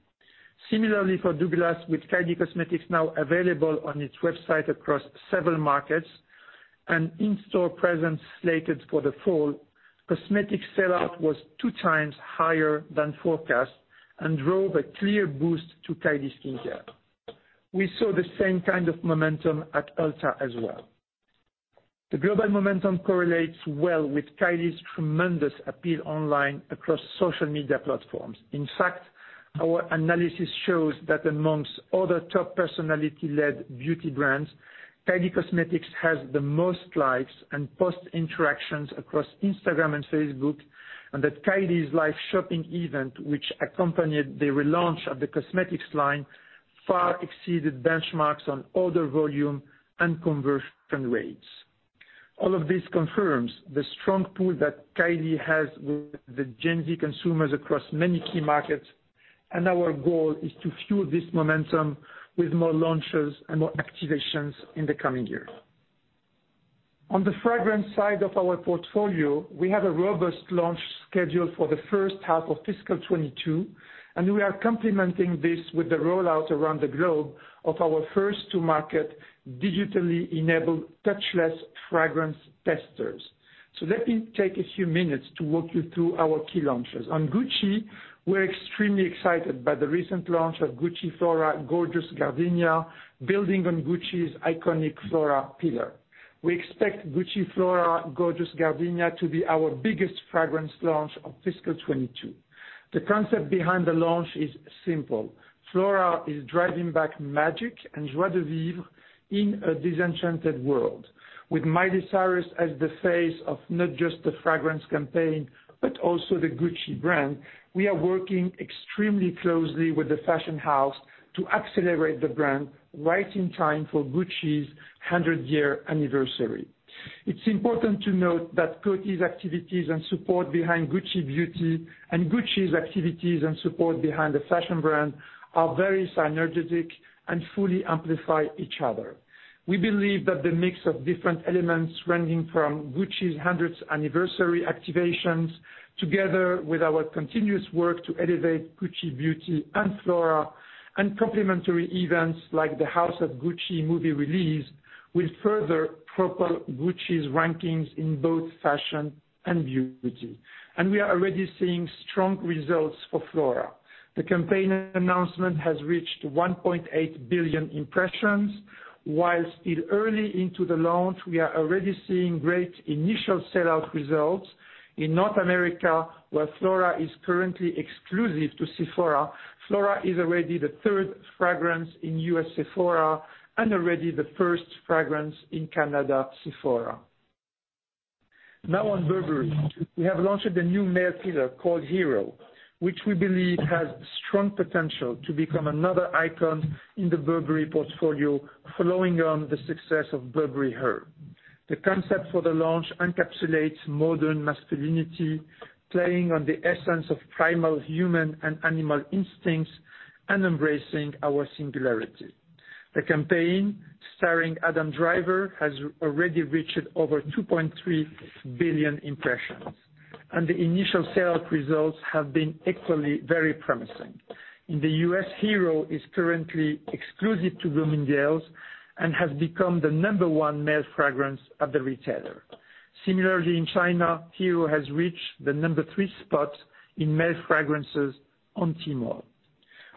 Similarly, for Douglas, with Kylie Cosmetics now available on its website across several markets, an in-store presence slated for the fall, cosmetic sellout was two times higher than forecast and drove a clear boost to Kylie Skin. We saw the same kind of momentum at Ulta as well. The global momentum correlates well with Kylie's tremendous appeal online across social media platforms. In fact, our analysis shows that amongst other top personality-led beauty brands, Kylie Cosmetics has the most likes and post interactions across Instagram and Facebook, and that Kylie's live shopping event, which accompanied the relaunch of the cosmetics line, far exceeded benchmarks on order volume and conversion rates. All of this confirms the strong pull that Kylie has with the Gen Z consumers across many key markets. Our goal is to fuel this momentum with more launches and more activations in the coming year. On the fragrance side of our portfolio, we have a robust launch schedule for the first half of fiscal 2022. We are complementing this with the rollout around the globe of our first-to-market digitally enabled touchless fragrance testers. Let me take a few minutes to walk you through our key launches. On Gucci, we're extremely excited by the recent launch of Gucci Flora Gorgeous Gardenia, building on Gucci's iconic Flora pillar. We expect Gucci Flora Gorgeous Gardenia to be our biggest fragrance launch of fiscal 2022. The concept behind the launch is simple. Flora is driving back magic and joie de vivre in a disenchanted world. With Miley Cyrus as the face of not just the fragrance campaign, but also the Gucci brand, we are working extremely closely with the fashion house to accelerate the brand right in time for Gucci's 100-year anniversary. It's important to note that Coty's activities and support behind Gucci Beauty and Gucci's activities and support behind the fashion brand are very synergetic and fully amplify each other. We believe that the mix of different elements ranging from Gucci's 100th anniversary activations, together with our continuous work to elevate Gucci Beauty and Flora, and complementary events like the House of Gucci movie release, will further propel Gucci's rankings in both fashion and beauty. We are already seeing strong results for Flora. The campaign announcement has reached 1.8 billion impressions. While still early into the launch, we are already seeing great initial sell-out results in North America, where Flora is currently exclusive to Sephora. Flora is already the third fragrance in U.S. Sephora and already the first fragrance in Canada Sephora. On Burberry. We have launched a new male pillar called Hero, which we believe has strong potential to become another icon in the Burberry portfolio following on the success of Burberry Her. The concept for the launch encapsulates modern masculinity, playing on the essence of primal human and animal instincts, and embracing our singularity. The campaign starring Adam Driver has already reached over 2.3 billion impressions, and the initial sell-out results have been equally very promising. In the U.S., Hero is currently exclusive to Bloomingdale's and has become the number one male fragrance at the retailer. Similarly, in China, Hero has reached the number three spot in male fragrances on Tmall.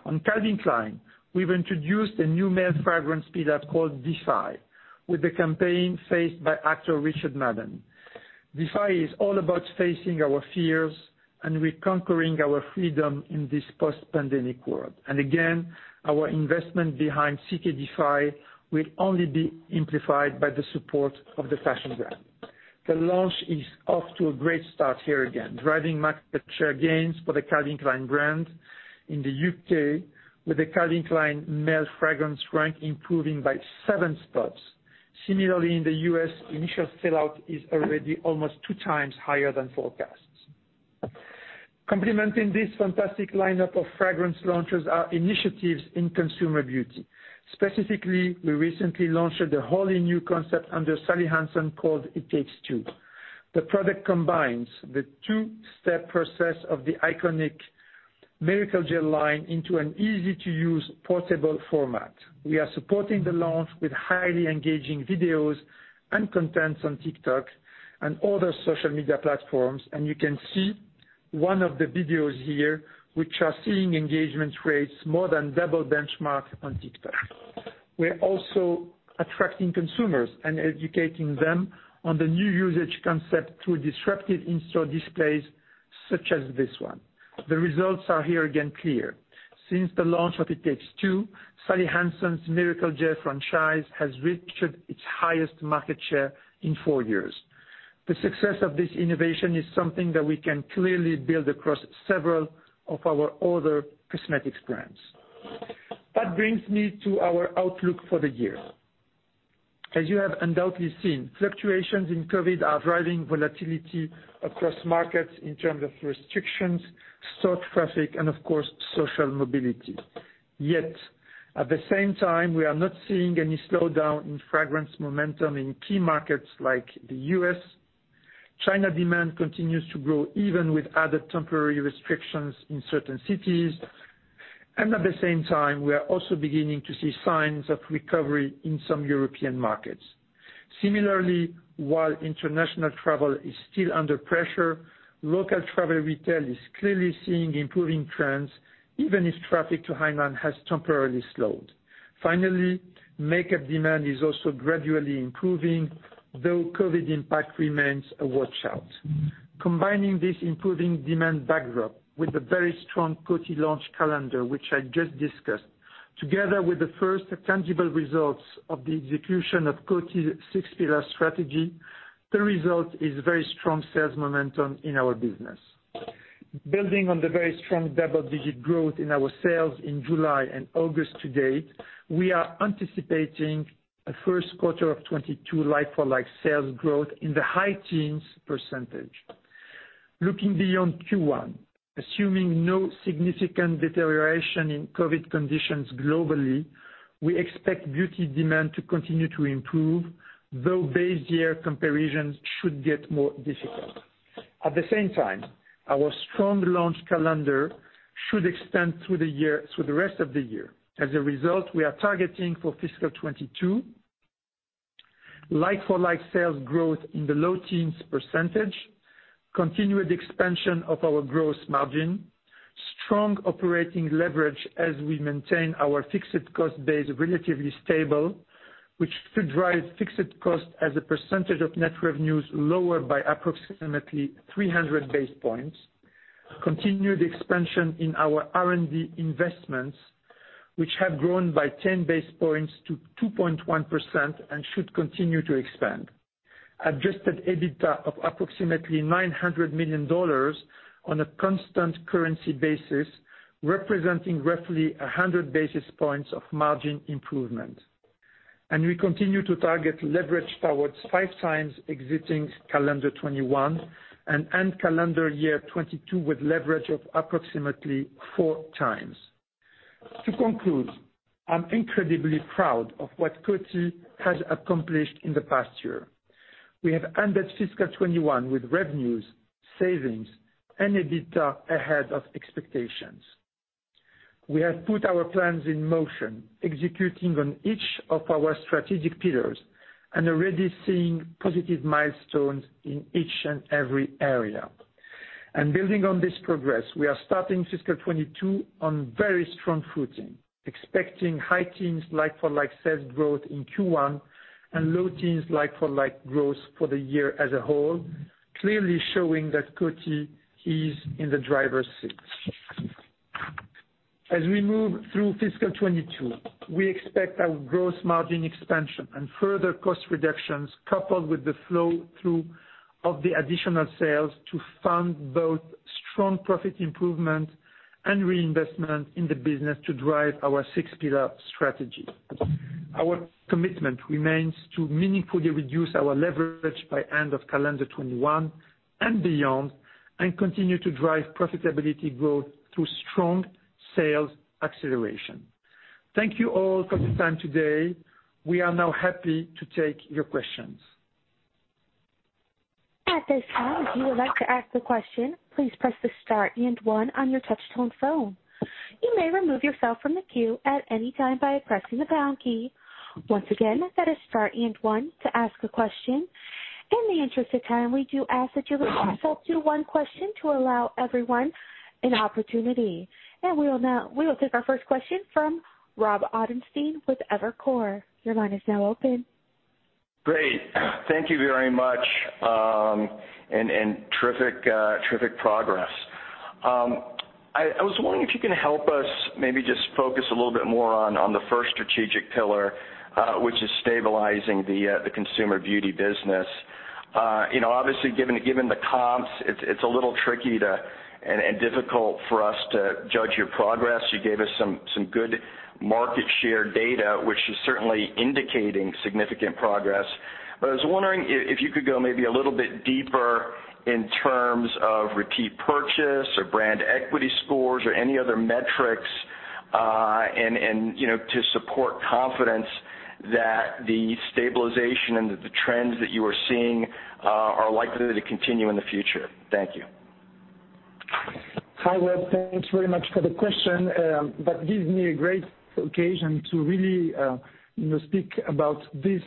On Calvin Klein, we've introduced a new male fragrance pillar called Defy, with the campaign faced by actor Richard Madden. Defy is all about facing our fears and reconquering our freedom in this post-pandemic world. Again, our investment behind CK Defy will only be amplified by the support of the fashion brand. The launch is off to a great start here again, driving market share gains for the Calvin Klein brand in the U.K., with the Calvin Klein male fragrance rank improving by seven spots. Similarly, in the U.S., initial sell-out is already almost two times higher than forecasts. Complementing this fantastic lineup of fragrance launches are initiatives in consumer beauty. Specifically, we recently launched a wholly new concept under Sally Hansen called It Takes Two. The product combines the two-step process of the iconic Miracle Gel line into an easy-to-use portable format. We are supporting the launch with highly engaging videos and contents on TikTok and other social media platforms, and you can see one of the videos here, which are seeing engagement rates more than double benchmark on TikTok. We're also attracting consumers and educating them on the new usage concept through disruptive in-store displays such as this one. The results are here again clear. Since the launch of It Takes Two, Sally Hansen's Miracle Gel franchise has reached its highest market share in four years. The success of this innovation is something that we can clearly build across several of our other cosmetics brands. That brings me to our outlook for the year. As you have undoubtedly seen, fluctuations in COVID are driving volatility across markets in terms of restrictions, store traffic, and of course, social mobility. At the same time, we are not seeing any slowdown in fragrance momentum in key markets like the U.S. China demand continues to grow, even with added temporary restrictions in certain cities. At the same time, we are also beginning to see signs of recovery in some European markets. Similarly, while international travel is still under pressure, local travel retail is clearly seeing improving trends, even if traffic to Hainan has temporarily slowed. Makeup demand is also gradually improving, though COVID impact remains a watch-out. Combining this improving demand backdrop with the very strong Coty launch calendar, which I just discussed, together with the first tangible results of the execution of Coty's six-pillar strategy, the result is very strong sales momentum in our business. Building on the very strong double-digit growth in our sales in July and August to date, we are anticipating a first quarter of 2022 like-for-like sales growth in the high teens percentage. Looking beyond Q1, assuming no significant deterioration in COVID conditions globally, we expect beauty demand to continue to improve, though base year comparisons should get more difficult. At the same time, our strong launch calendar should extend through the rest of the year. As a result, we are targeting for fiscal 2022 like-for-like sales growth in the low teens percentage, continued expansion of our gross margin, strong operating leverage as we maintain our fixed cost base relatively stable. This should drive fixed costs as a percentage of net revenues lower by approximately 300 basis points. Continued expansion in our R&D investments, which have grown by 10 basis points to 2.1% and should continue to expand. Adjusted EBITDA of approximately $900 million on a constant currency basis, representing roughly 100 basis points of margin improvement. We continue to target leverage towards five times exiting calendar 2021, and end calendar year 2022 with leverage of approximately four times. To conclude, I'm incredibly proud of what Coty has accomplished in the past year. We have ended fiscal 2021 with revenues, savings, and EBITDA ahead of expectations. We have put our plans in motion, executing on each of our strategic pillars and already seeing positive milestones in each and every area. Building on this progress, we are starting fiscal 2022 on very strong footing, expecting high teens like-for-like sales growth in Q1 and low teens like-for-like growth for the year as a whole, clearly showing that Coty is in the driver's seat. As we move through fiscal 2022, we expect our growth margin expansion and further cost reductions coupled with the flow through of the additional sales to fund both strong profit improvement and reinvestment in the business to drive our six-pillar strategy. Our commitment remains to meaningfully reduce our leverage by end of calendar 2021 and beyond, and continue to drive profitability growth through strong sales acceleration. Thank you all for the time today. We are now happy to take your questions. At this time, if you would like to ask a question, please press the star and one on your touch tone phone. You may remove yourself from the queue at any time by pressing the pound key. Once again, that is star and one to ask a question. In the interest of time, we do ask that you would limit yourself to one question to allow everyone an opportunity. We will take our first question from Rob Ottenstein with Evercore. Your line is now open. Great. Thank you very much. Terrific progress. I was wondering if you can help us maybe just focus a little bit more on the first strategic pillar, which is stabilizing the consumer beauty business. Obviously, given the comps, it's a little tricky and difficult for us to judge your progress. You gave us some good market share data, which is certainly indicating significant progress. I was wondering if you could go maybe a little bit deeper in terms of repeat purchase or brand equity scores or any other metrics to support confidence that the stabilization and the trends that you are seeing are likely to continue in the future. Thank you. Hi, Rob. Thanks very much for the question. That gives me a great occasion to really speak about this,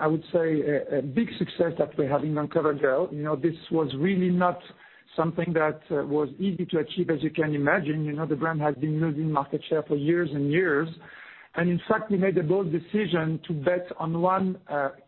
I would say, a big success that we're having on COVERGIRL. This was really not something that was easy to achieve, as you can imagine. The brand has been losing market share for years and years. In fact, we made the bold decision to bet on one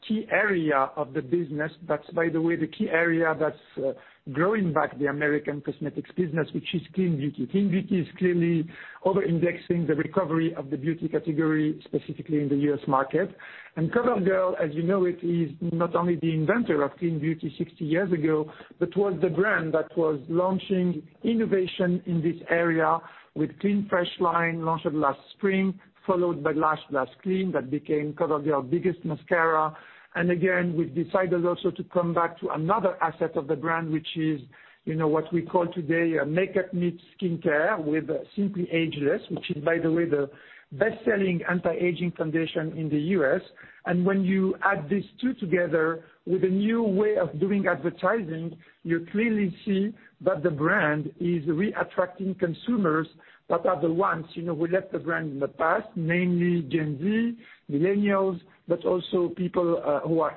key area of the business. That's, by the way, the key area that's growing back the American cosmetics business, which is clean beauty. Clean beauty is clearly over-indexing the recovery of the beauty category, specifically in the U.S. market. COVERGIRL, as you know, it is not only the inventor of clean beauty 60 years ago, but was the brand that was launching innovation in this area with Clean Fresh line launched last spring, followed by Lash Blast Clean, that became kind of their biggest mascara. Again, we've decided also to come back to another asset of the brand, which is what we call today a makeup meets skincare with Simply Ageless, which is, by the way, the best-selling anti-aging foundation in the U.S. When you add these two together with a new way of doing advertising, you clearly see that the brand is re-attracting consumers that are the ones who left the brand in the past, namely Gen Z, millennials, but also people who are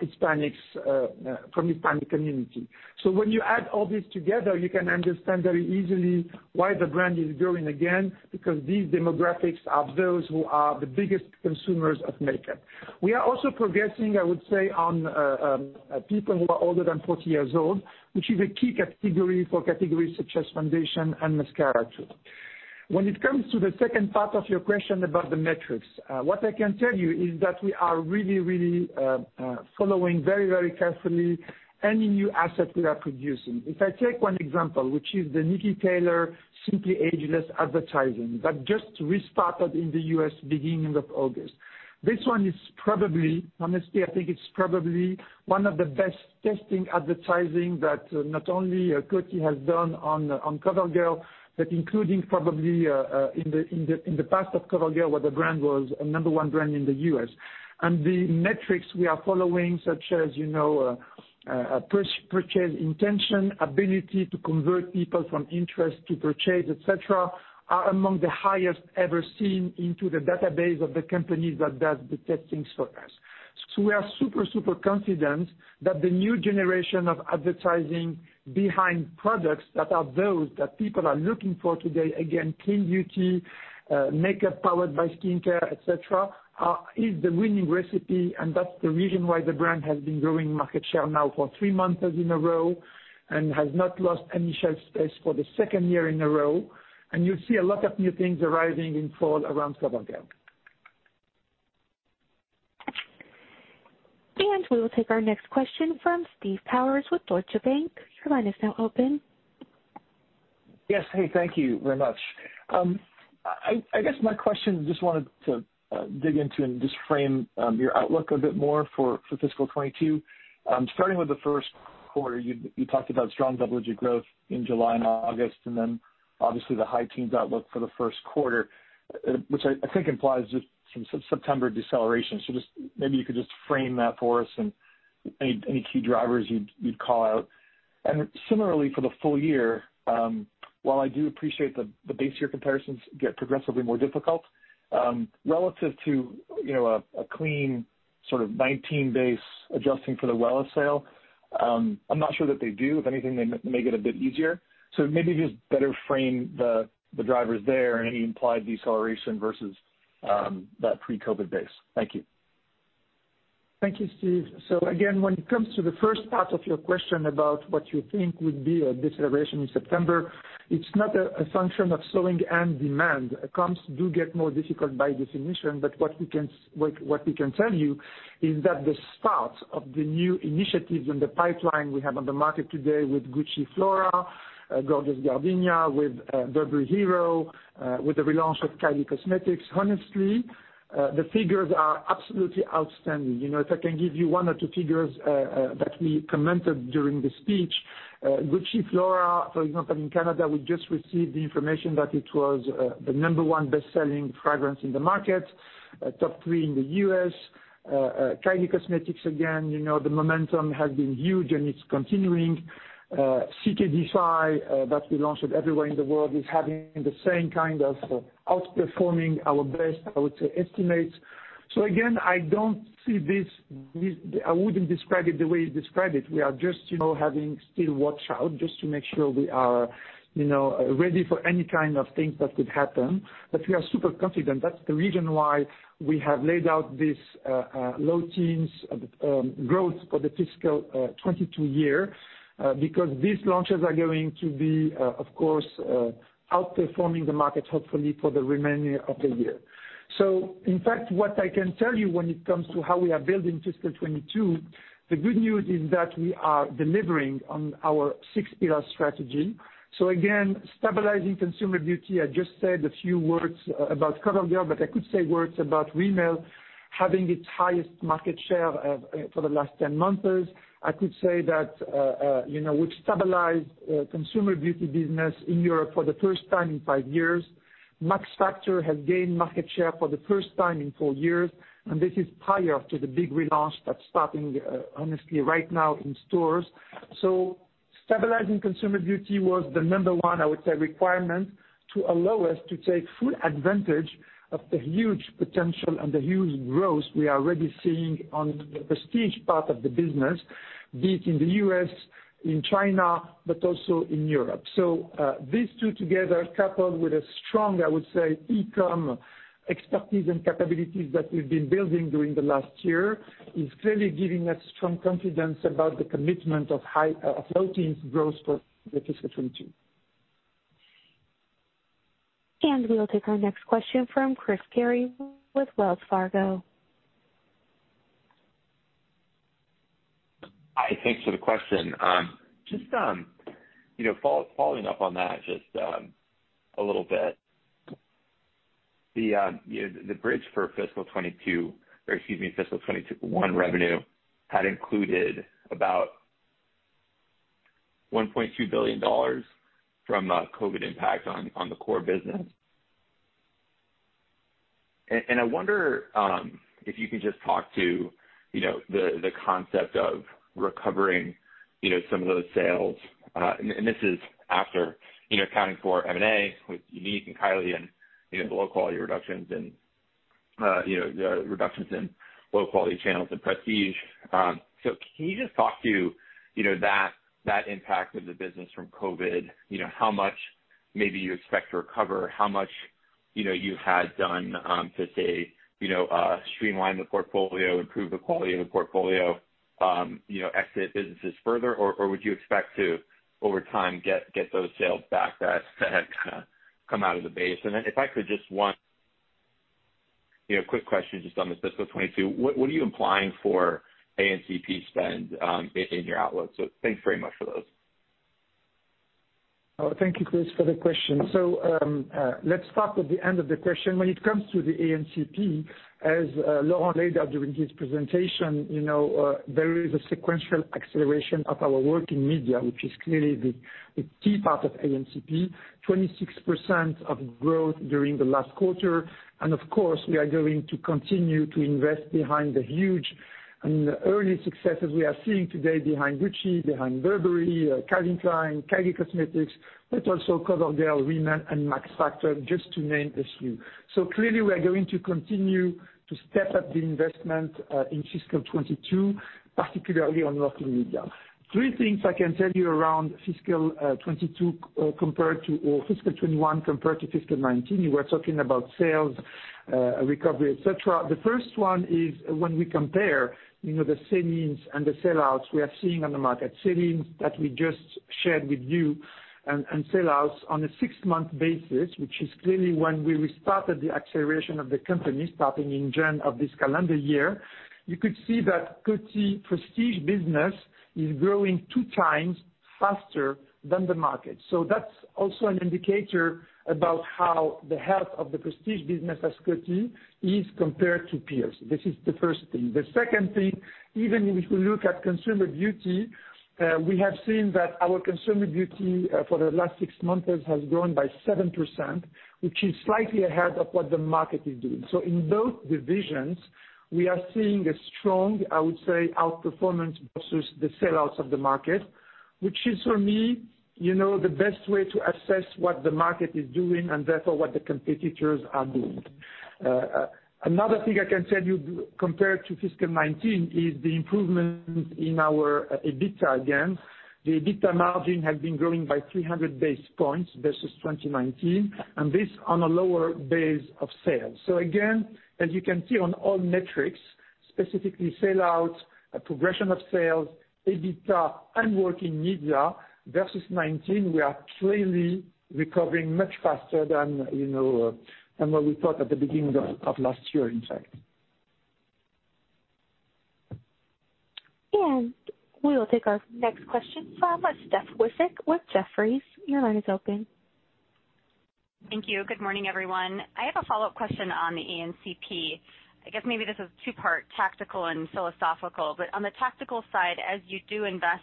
from Hispanic community. When you add all this together, you can understand very easily why the brand is growing again, because these demographics are those who are the biggest consumers of makeup. We are also progressing, I would say, on people who are older than 40 years old, which is a key category for categories such as foundation and mascara too. When it comes to the second part of your question about the metrics, what I can tell you is that we are really following very carefully any new asset we are producing. If I take one example, which is the Niki Taylor Simply Ageless advertising that just restarted in the U.S. beginning of August. This one is probably, honestly, I think it's probably one of the best testing advertising that not only Coty has done on COVERGIRL, but including probably in the past of COVERGIRL, where the brand was a number one brand in the U.S. The metrics we are following, such as purchase intention, ability to convert people from interest to purchase, et cetera, are among the highest ever seen into the database of the company that does the testings for us. We are super confident that the new generation of advertising behind products that are those that people are looking for today, again, clean beauty, makeup powered by skincare, et cetera, is the winning recipe, and that's the reason why the brand has been growing market share now for three months in a row and has not lost any shelf space for the second year in a row. You'll see a lot of new things arriving in fall around COVERGIRL. We will take our next question from Steve Powers with Deutsche Bank. Your line is now open. Yes. Hey, thank you very much. I guess my question just wanted to dig into and just frame your outlook a bit more for fiscal 2022. Starting with the first quarter, you talked about strong double-digit growth in July and August, then obviously the high teens outlook for the first quarter, which I think implies just some September deceleration. Just maybe you could just frame that for us and any key drivers you'd call out. Similarly, for the full year, while I do appreciate the base year comparisons get progressively more difficult, relative to a clean sort of 2019 base adjusting for the Wella sale, I'm not sure that they do. If anything, they make it a bit easier. Maybe just better frame the drivers there and any implied deceleration versus that pre-COVID base. Thank you. Thank you, Steve. Again, when it comes to the first part of your question about what you think would be a deceleration in September, it's not a function of slowing end demand. Comps do get more difficult by definition, but what we can tell you is that the start of the new initiatives in the pipeline we have on the market today with Gucci Flora Gorgeous Gardenia, with Burberry Hero, with the relaunch of Kylie Cosmetics, honestly, the figures are absolutely outstanding. If I can give you one or two figures that we commented during the speech, Gucci Flora, for example, in Canada, we just received the information that it was the number one bestselling fragrance in the market, top three in the U.S. Kylie Cosmetics, again, the momentum has been huge, and it's continuing. CK Defy, that we launched with everywhere in the world, is having the same kind of outperforming our best, I would say, estimates. Again, I wouldn't describe it the way you described it. We are just having still watch out just to make sure we are ready for any kind of things that could happen. We are super confident. That's the reason why we have laid out this low teens growth for the fiscal 2022 year because these launches are going to be, of course, outperforming the market, hopefully for the remaining of the year. In fact, what I can tell you when it comes to how we are building fiscal 2022, the good news is that we are delivering on our six-pillar strategy. Again, stabilizing consumer beauty. I just said a few words about COVERGIRL. I could say words about Rimmel having its highest market share for the last 10 months. I could say that we've stabilized consumer beauty business in Europe for the first time in five years. Max Factor has gained market share for the first time in four years, and this is prior to the big relaunch that's starting honestly right now in stores. Stabilizing consumer beauty was the number one, I would say, requirement to allow us to take full advantage of the huge potential and the huge growth we are already seeing on the prestige part of the business, be it in the U.S., in China, but also in Europe. These two together, coupled with a strong, I would say, e-com expertise and capabilities that we've been building during the last year, is clearly giving us strong confidence about the commitment of low teens growth for the fiscal 2022. We will take our next question from Chris Carey with Wells Fargo. Hi, thanks for the question. Just following up on that just a little bit. The bridge for fiscal 2022, or excuse me, fiscal 2021 revenue had included about $1.2 billion from COVID impact on the core business. I wonder if you could just talk to the concept of recovering some of those sales, and this is after accounting for M&A with Younique and Kylie and the low-quality reductions in low-quality channels and prestige. Can you just talk to that impact of the business from COVID? How much maybe you expect to recover, how much you had done to say, streamline the portfolio, improve the quality of the portfolio, exit businesses further? Would you expect to, over time, get those sales back that had kind of come out of the base? If I could just one quick question just on the fiscal 2022, what are you implying for A&CP spend in your outlook? Thanks very much for those. Thank you, Chris, for the question. Let's start with the end of the question. When it comes to the A&CP, as Laurent laid out during his presentation, there is a sequential acceleration of our work in media, which is clearly the key part of A&CP. 26% of growth during the last quarter. Of course, we are going to continue to invest behind the huge and the early successes we are seeing today behind Gucci, behind Burberry, Calvin Klein, Kylie Cosmetics, but also COVERGIRL, Rimmel, and Max Factor, just to name a few. Clearly we are going to continue to step up the investment in fiscal 2022, particularly on working media. Three things I can tell you around fiscal 2022 compared to fiscal 2021 compared to fiscal 2019, you were talking about sales, recovery, et cetera. The first one is when we compare the sell-ins and the sellouts we are seeing on the market. Sell-ins that we just shared with you, and sellouts on a six-month basis, which is clearly when we restarted the acceleration of the company starting in June of this calendar year. Coty prestige business is growing two times faster than the market. That's also an indicator about how the health of the prestige business as Coty is compared to peers. This is the first thing. The second thing, even if you look at consumer beauty, we have seen that our consumer beauty, for the last six months, has grown by 7%, which is slightly ahead of what the market is doing. In both divisions, we are seeing a strong, I would say, outperformance versus the sellouts of the market, which is for me, the best way to assess what the market is doing and therefore what the competitors are doing. Another thing I can tell you compared to fiscal 2019 is the improvement in our EBITDA, again. The EBITDA margin has been growing by 300 basis points versus 2019, and this on a lower base of sales. Again, as you can see on all metrics, specifically sellout, progression of sales, EBITDA, and working media versus 2019, we are clearly recovering much faster than what we thought at the beginning of last year, in fact. We will take our next question from Steph Wissink with Jefferies. Your line is open. Thank you. Good morning, everyone. I have a follow-up question on the A&CP. I guess maybe this is two-part, tactical and philosophical. On the tactical side, as you do invest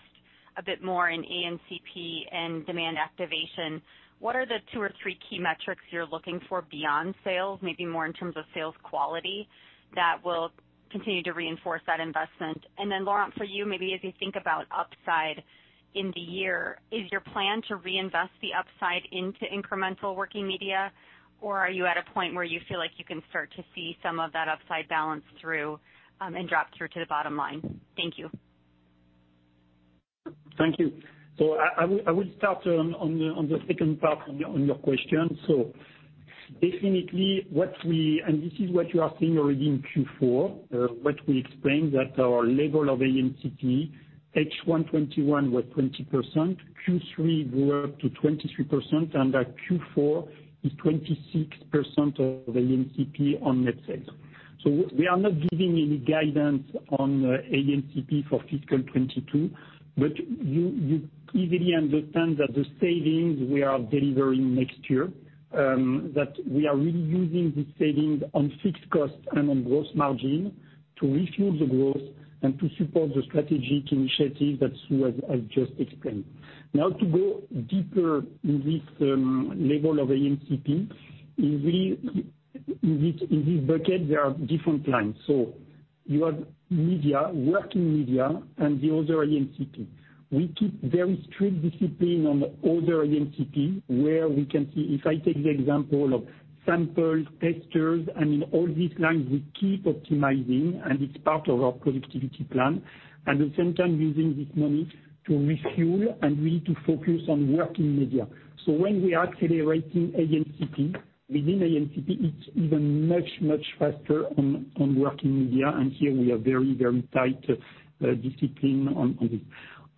a bit more in A&CP and demand activation, what are the two or three key metrics you're looking for beyond sales, maybe more in terms of sales quality, that will continue to reinforce that investment? Laurent, for you, maybe as you think about upside in the year, is your plan to reinvest the upside into incremental working media, or are you at a point where you feel like you can start to see some of that upside balance through, and drop through to the bottom line? Thank you. Thank you. I will start on the second part on your question. Definitely, and this is what you are seeing already in Q4, what we explained, that our level of A&CP, H1 2021 was 20%, Q3 grew up to 23%, and at Q4 is 26% of A&CP on net sales. We are not giving any guidance on A&CP for fiscal 2022. You easily understand that the savings we are delivering next year, that we are really using these savings on fixed costs and on gross margin to refuel the growth and to support the strategic initiative that Sue has just explained. Now to go deeper in this level of A&CP, in this bucket, there are different lines. You have media, working media, and the other A&CP. We keep very strict discipline on the other A&CP, where we can see, if I take the example of samples, testers, in all these lines, we keep optimizing. It's part of our productivity plan. At the same time, using this money to refuel, we need to focus on working media. When we are accelerating A&CP, within A&CP, it's even much faster on working media. Here we are very tight discipline on this.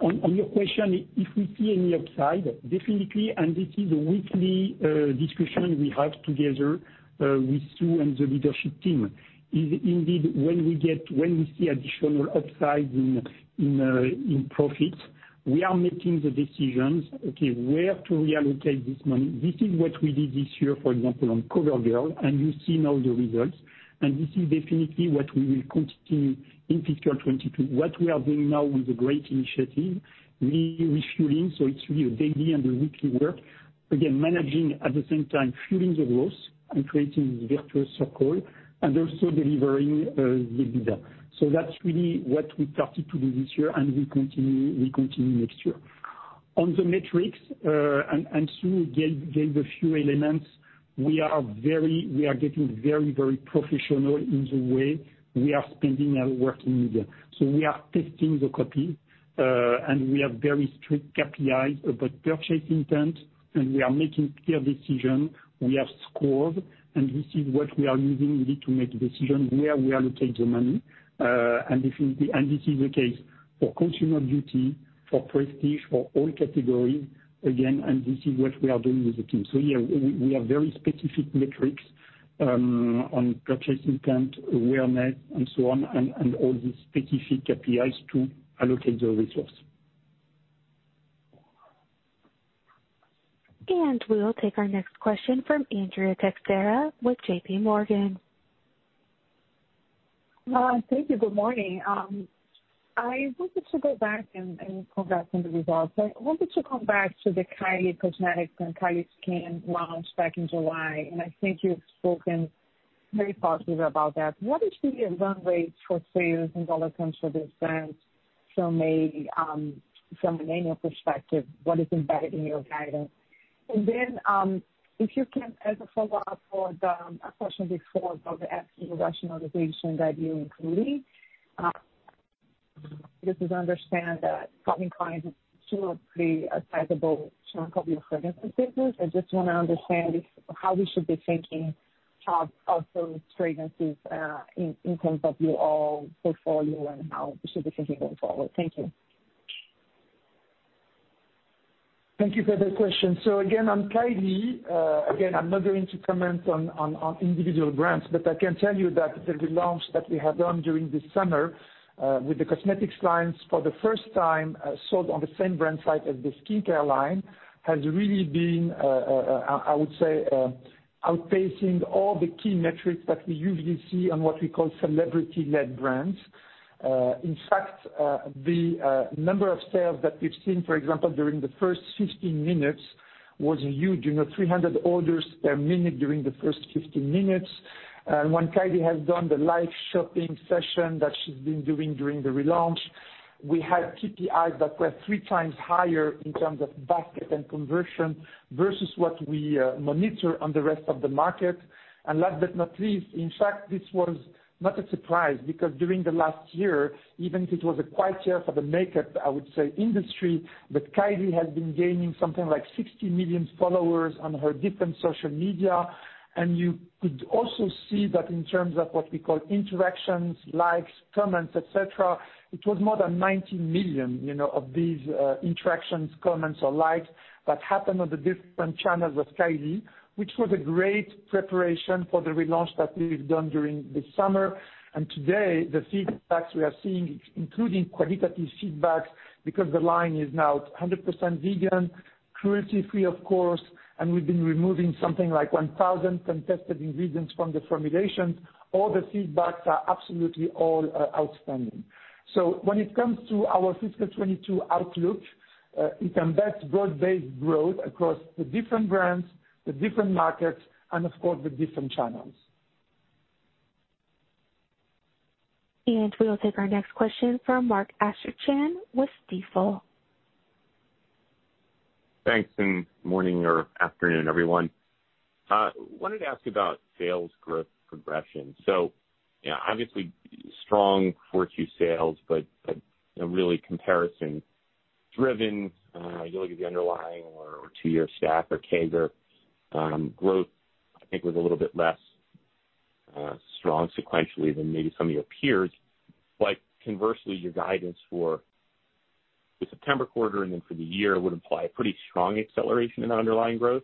On your question, if we see any upside, definitely. This is a weekly discussion we have together with Sue and the leadership team, is indeed when we see additional upside in profit, we are making the decisions, okay, where to reallocate this money. This is what we did this year, for example, on COVERGIRL. You see now the results. This is definitely what we will continue in fiscal 2022. What we are doing now with the GREAT initiative, refueling, it's really a daily and a weekly work. Again, managing, at the same time fueling the growth and creating the virtuous circle, and also delivering the EBITDA. That's really what we started to do this year, and we'll continue next year. On the metrics, Sue gave a few elements, we are getting very professional in the way we are spending our working media. We are testing the copy, and we are very strict KPIs about purchase intent, and we are making clear decision. We have scores, this is what we are using really to make decision where we allocate the money. This is the case for consumer beauty, for prestige, for all categories, again, and this is what we are doing with the team. Yeah, we have very specific metrics on purchase intent, awareness, and so on, and all these specific KPIs to allocate the resource. We will take our next question from Andrea Teixeira with JPMorgan. Laurent, thank you. Good morning. I wanted to go back and progress on the results. I wanted to come back to the Kylie Cosmetics and Kylie Skin launch back in July, and I think you've spoken Very positive about that. What is the run rate for sales in dollar terms for this brand from an annual perspective? What is embedded in your guidance? Then, if you can, as a follow-up for the question before about the asset rationalization that you included, just as I understand that Calvin Klein is still a pretty sizable chunk of your fragrances business, I just want to understand how we should be thinking of those fragrances in terms of your portfolio and how we should be thinking going forward. Thank you. Thank you for the question. Again, on Kylie, again, I'm not going to comment on individual brands. But I can tell you that the relaunch that we have done during the summer with the cosmetics lines for the first time sold on the same brand site as the skincare line, has really been, I would say, outpacing all the key metrics that we usually see on what we call celebrity-led brands. In fact, the number of sales that we've seen, for example, during the first 15 minutes was huge, 300 orders per minute during the first 15 minutes. When Kylie has done the live shopping session that she's been doing during the relaunch, we had KPIs that were three times higher in terms of basket and conversion versus what we monitor on the rest of the market. Last but not least, in fact, this was not a surprise, because during the last year, even if it was a quiet year for the makeup, I would say, industry, but Kylie has been gaining something like 60 million followers on her different social media. You could also see that in terms of what we call interactions, likes, comments, et cetera, it was more than 90 million of these interactions, comments or likes that happened on the different channels of Kylie, which was a great preparation for the relaunch that we've done during the summer. Today, the feedbacks we are seeing, including qualitative feedback, because the line is now 100% vegan, cruelty-free of course, and we've been removing something like 1,000 contested ingredients from the formulations. All the feedbacks are absolutely all outstanding. When it comes to our fiscal 2022 outlook, you can bet broad-based growth across the different brands, the different markets, and of course, the different channels. We will take our next question from Mark Astrachan with Stifel. Thanks, morning or afternoon, everyone. Wanted to ask you about sales growth progression. Obviously strong Q4 sales, but really comparison driven. You look at the underlying or two-year stack or CAGR growth, I think was a little bit less strong sequentially than maybe some of your peers. Conversely, your guidance for the September quarter and then for the year would imply a pretty strong acceleration in underlying growth.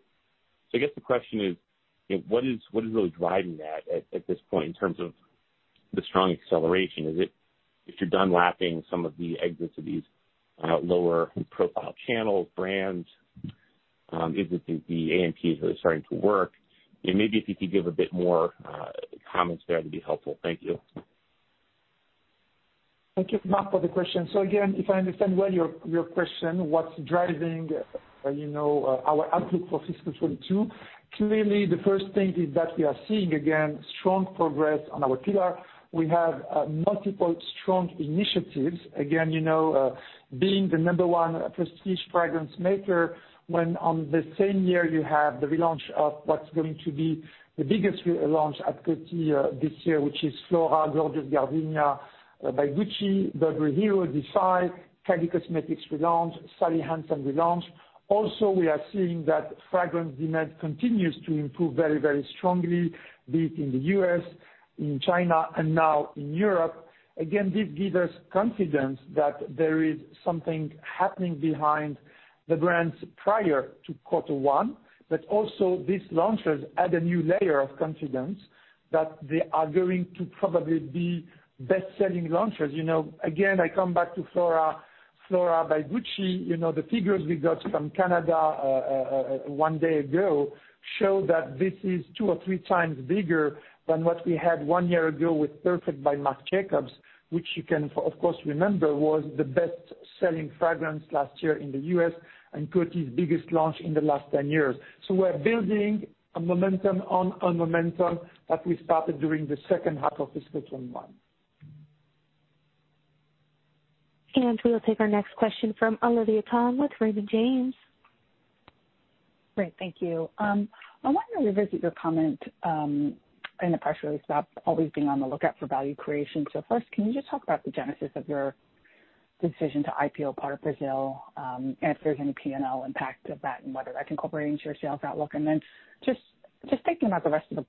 I guess the question is, what is really driving that at this point in terms of the strong acceleration? Is it if you're done lapping some of the exits of these lower profile channels, brands? Is it the A&CP really starting to work? Maybe if you could give a bit more comments there, that'd be helpful. Thank you. Thank you, Mark, for the question. Again, if I understand well your question, what's driving our outlook for fiscal 2022, clearly the first thing is that we are seeing, again, strong progress on our pillar. We have multiple strong initiatives. Again, being the number one prestige fragrance maker, when on the same year you have the relaunch of what's going to be the biggest relaunch at Coty this year, which is Flora Gorgeous Gardenia by Gucci, Burberry Hero, Defy, Kylie Cosmetics relaunch, Sally Hansen relaunch. Also, we are seeing that fragrance demand continues to improve very strongly, be it in the U.S., in China, and now in Europe. Again, this gives us confidence that there is something happening behind the brands prior to quarter one, but also these launches add a new layer of confidence that they are going to probably be best-selling launches. Again, I come back to Flora by Gucci. The figures we got from Canada one day ago show that this is two or three times bigger than what we had one year ago with Perfect by Marc Jacobs, which you can of course remember, was the best-selling fragrance last year in the U.S. and Coty's biggest launch in the last 10 years. We're building a momentum on a momentum that we started during the second half of fiscal 2021. We will take our next question from Olivia Tong with Raymond James. Great. Thank you. I want to revisit your comment in the press release about always being on the lookout for value creation. First, can you just talk about the genesis of your decision to IPO part of Brazil, and if there's any P&L impact of that and whether that can incorporate into your sales outlook? Just thinking about the rest of the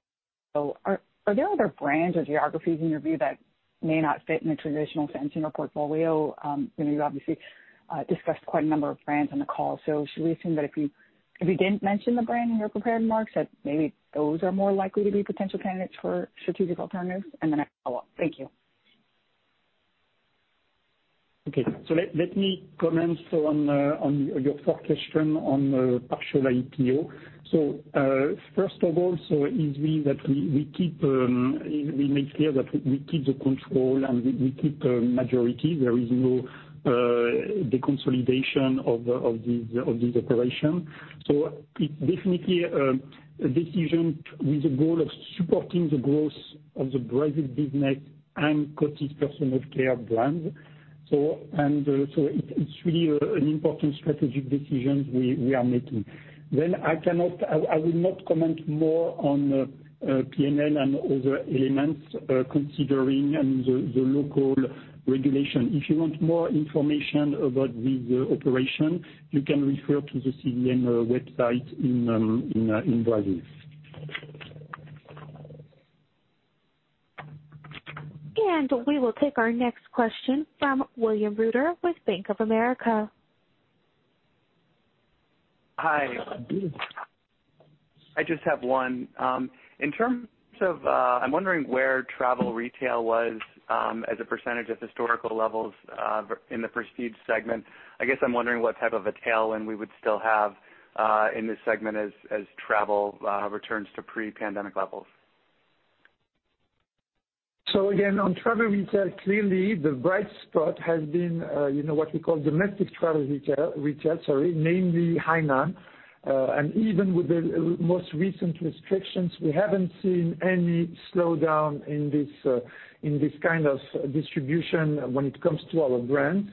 are there other brands or geographies in your view that may not fit in a traditional sense in your portfolio? You obviously discussed quite a number of brands on the call. Should we assume that if you didn't mention the brand in your prepared remarks, that maybe those are more likely to be potential candidates for strategic alternatives? A follow-up. Thank you. Okay. Let me comment on your first question on partial IPO. First of all, it is we that we make clear that we keep the control and we keep a majority. There is no deconsolidation of this operation. It definitely a decision with the goal of supporting the growth of the Brazil business and Coty's personal care brands. It's really an important strategic decision we are making. I will not comment more on P&L and other elements, considering the local regulation. If you want more information about this operation, you can refer to the CVM website in Brazil. We will take our next question from William Reuter with Bank of America. Hi. I just have one. I'm wondering where travel retail was as a percentage of historical levels in the prestige segment. I guess I'm wondering what type of a tailwind we would still have in this segment as travel returns to pre-pandemic levels. Again, on travel retail, clearly the bright spot has been what we call domestic travel retail, namely Hainan. Even with the most recent restrictions, we haven't seen any slowdown in this kind of distribution when it comes to our brands.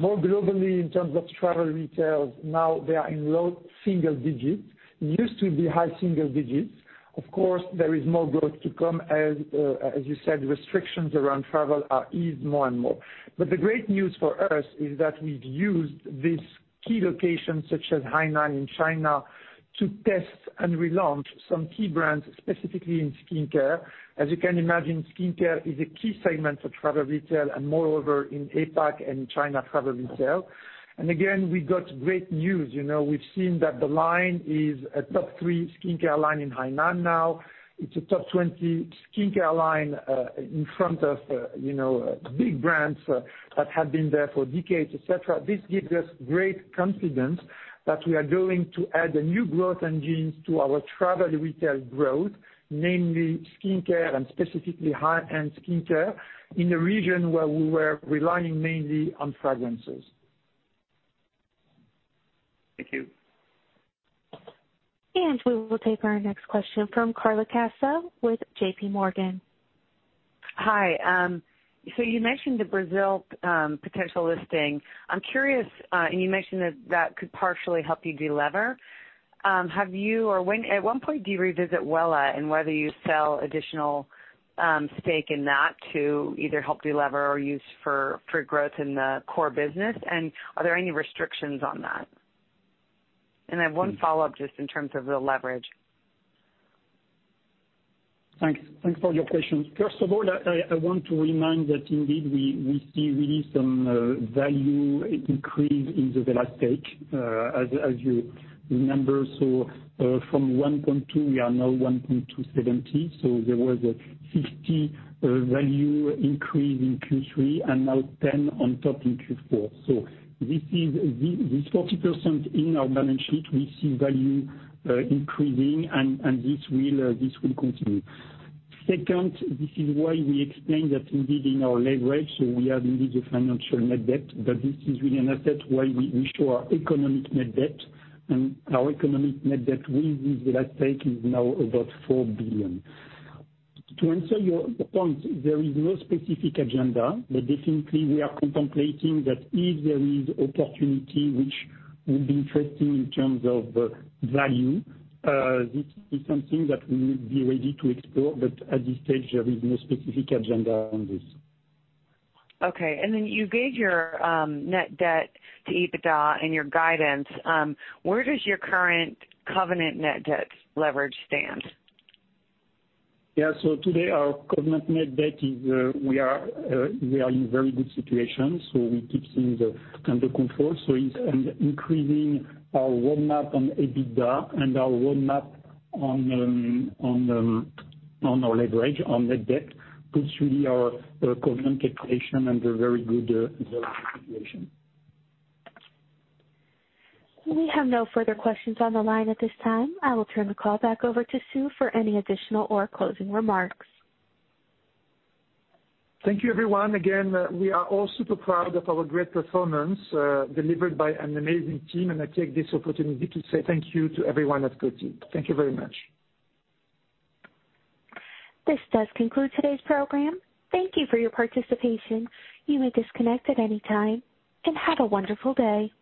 More globally, in terms of travel retails, now they are in low single digits. It used to be high single digits. Of course, there is more growth to come as you said, restrictions around travel are eased more and more. But the great news for us is that we've used these key locations such as Hainan in China to test and relaunch some key brands, specifically in skincare. As you can imagine, skincare is a key segment of travel retail, and moreover in APAC and China travel retail. Again, we got great news. We've seen that the line is a top three skincare line in Hainan now. It's a top 20 skincare line in front of big brands that have been there for decades, et cetera. This gives us great confidence that we are going to add the new growth engines to our travel retail growth, namely skincare, and specifically high-end skincare, in a region where we were relying mainly on fragrances. Thank you. We will take our next question from Carla Casella with JPMorgan. Hi. You mentioned the Brazil potential listing. I'm curious, you mentioned that that could partially help you delever. At what point do you revisit Wella and whether you sell additional stake in that to either help delever or use for growth in the core business, and are there any restrictions on that? I have one follow-up just in terms of the leverage. Thanks for your questions. First of all, I want to remind that indeed, we see really some value increase in the Wella stake, as you remember. From 1.2, we are now 1.270. There was a 50 value increase in Q3 and now 10 on top in Q4. This 40% in our balance sheet, we see value increasing, and this will continue. Second, this is why we explained that indeed in our leverage, we have indeed a financial net debt, this is really an asset where we show our economic net debt, our economic net debt with Wella stake is now about 4 billion. To answer your point, there is no specific agenda, but definitely we are contemplating that if there is opportunity which would be interesting in terms of value, this is something that we will be ready to explore, but at this stage, there is no specific agenda on this. Okay. Then you gave your net debt to EBITDA and your guidance. Where does your current covenant net debt leverage stand? Yeah. Today our covenant net debt is we are in very good situation. We keep things under control. In increasing our roadmap on EBITDA and our roadmap on our leverage on net debt puts really our covenant calculation under very good situation. We have no further questions on the line at this time. I will turn the call back over to Sue for any additional or closing remarks. Thank you everyone. Again, we are all super proud of our great performance delivered by an amazing team, and I take this opportunity to say thank you to everyone at Coty. Thank you very much. This does conclude today's program. Thank you for your participation. You may disconnect at any time, and have a wonderful day.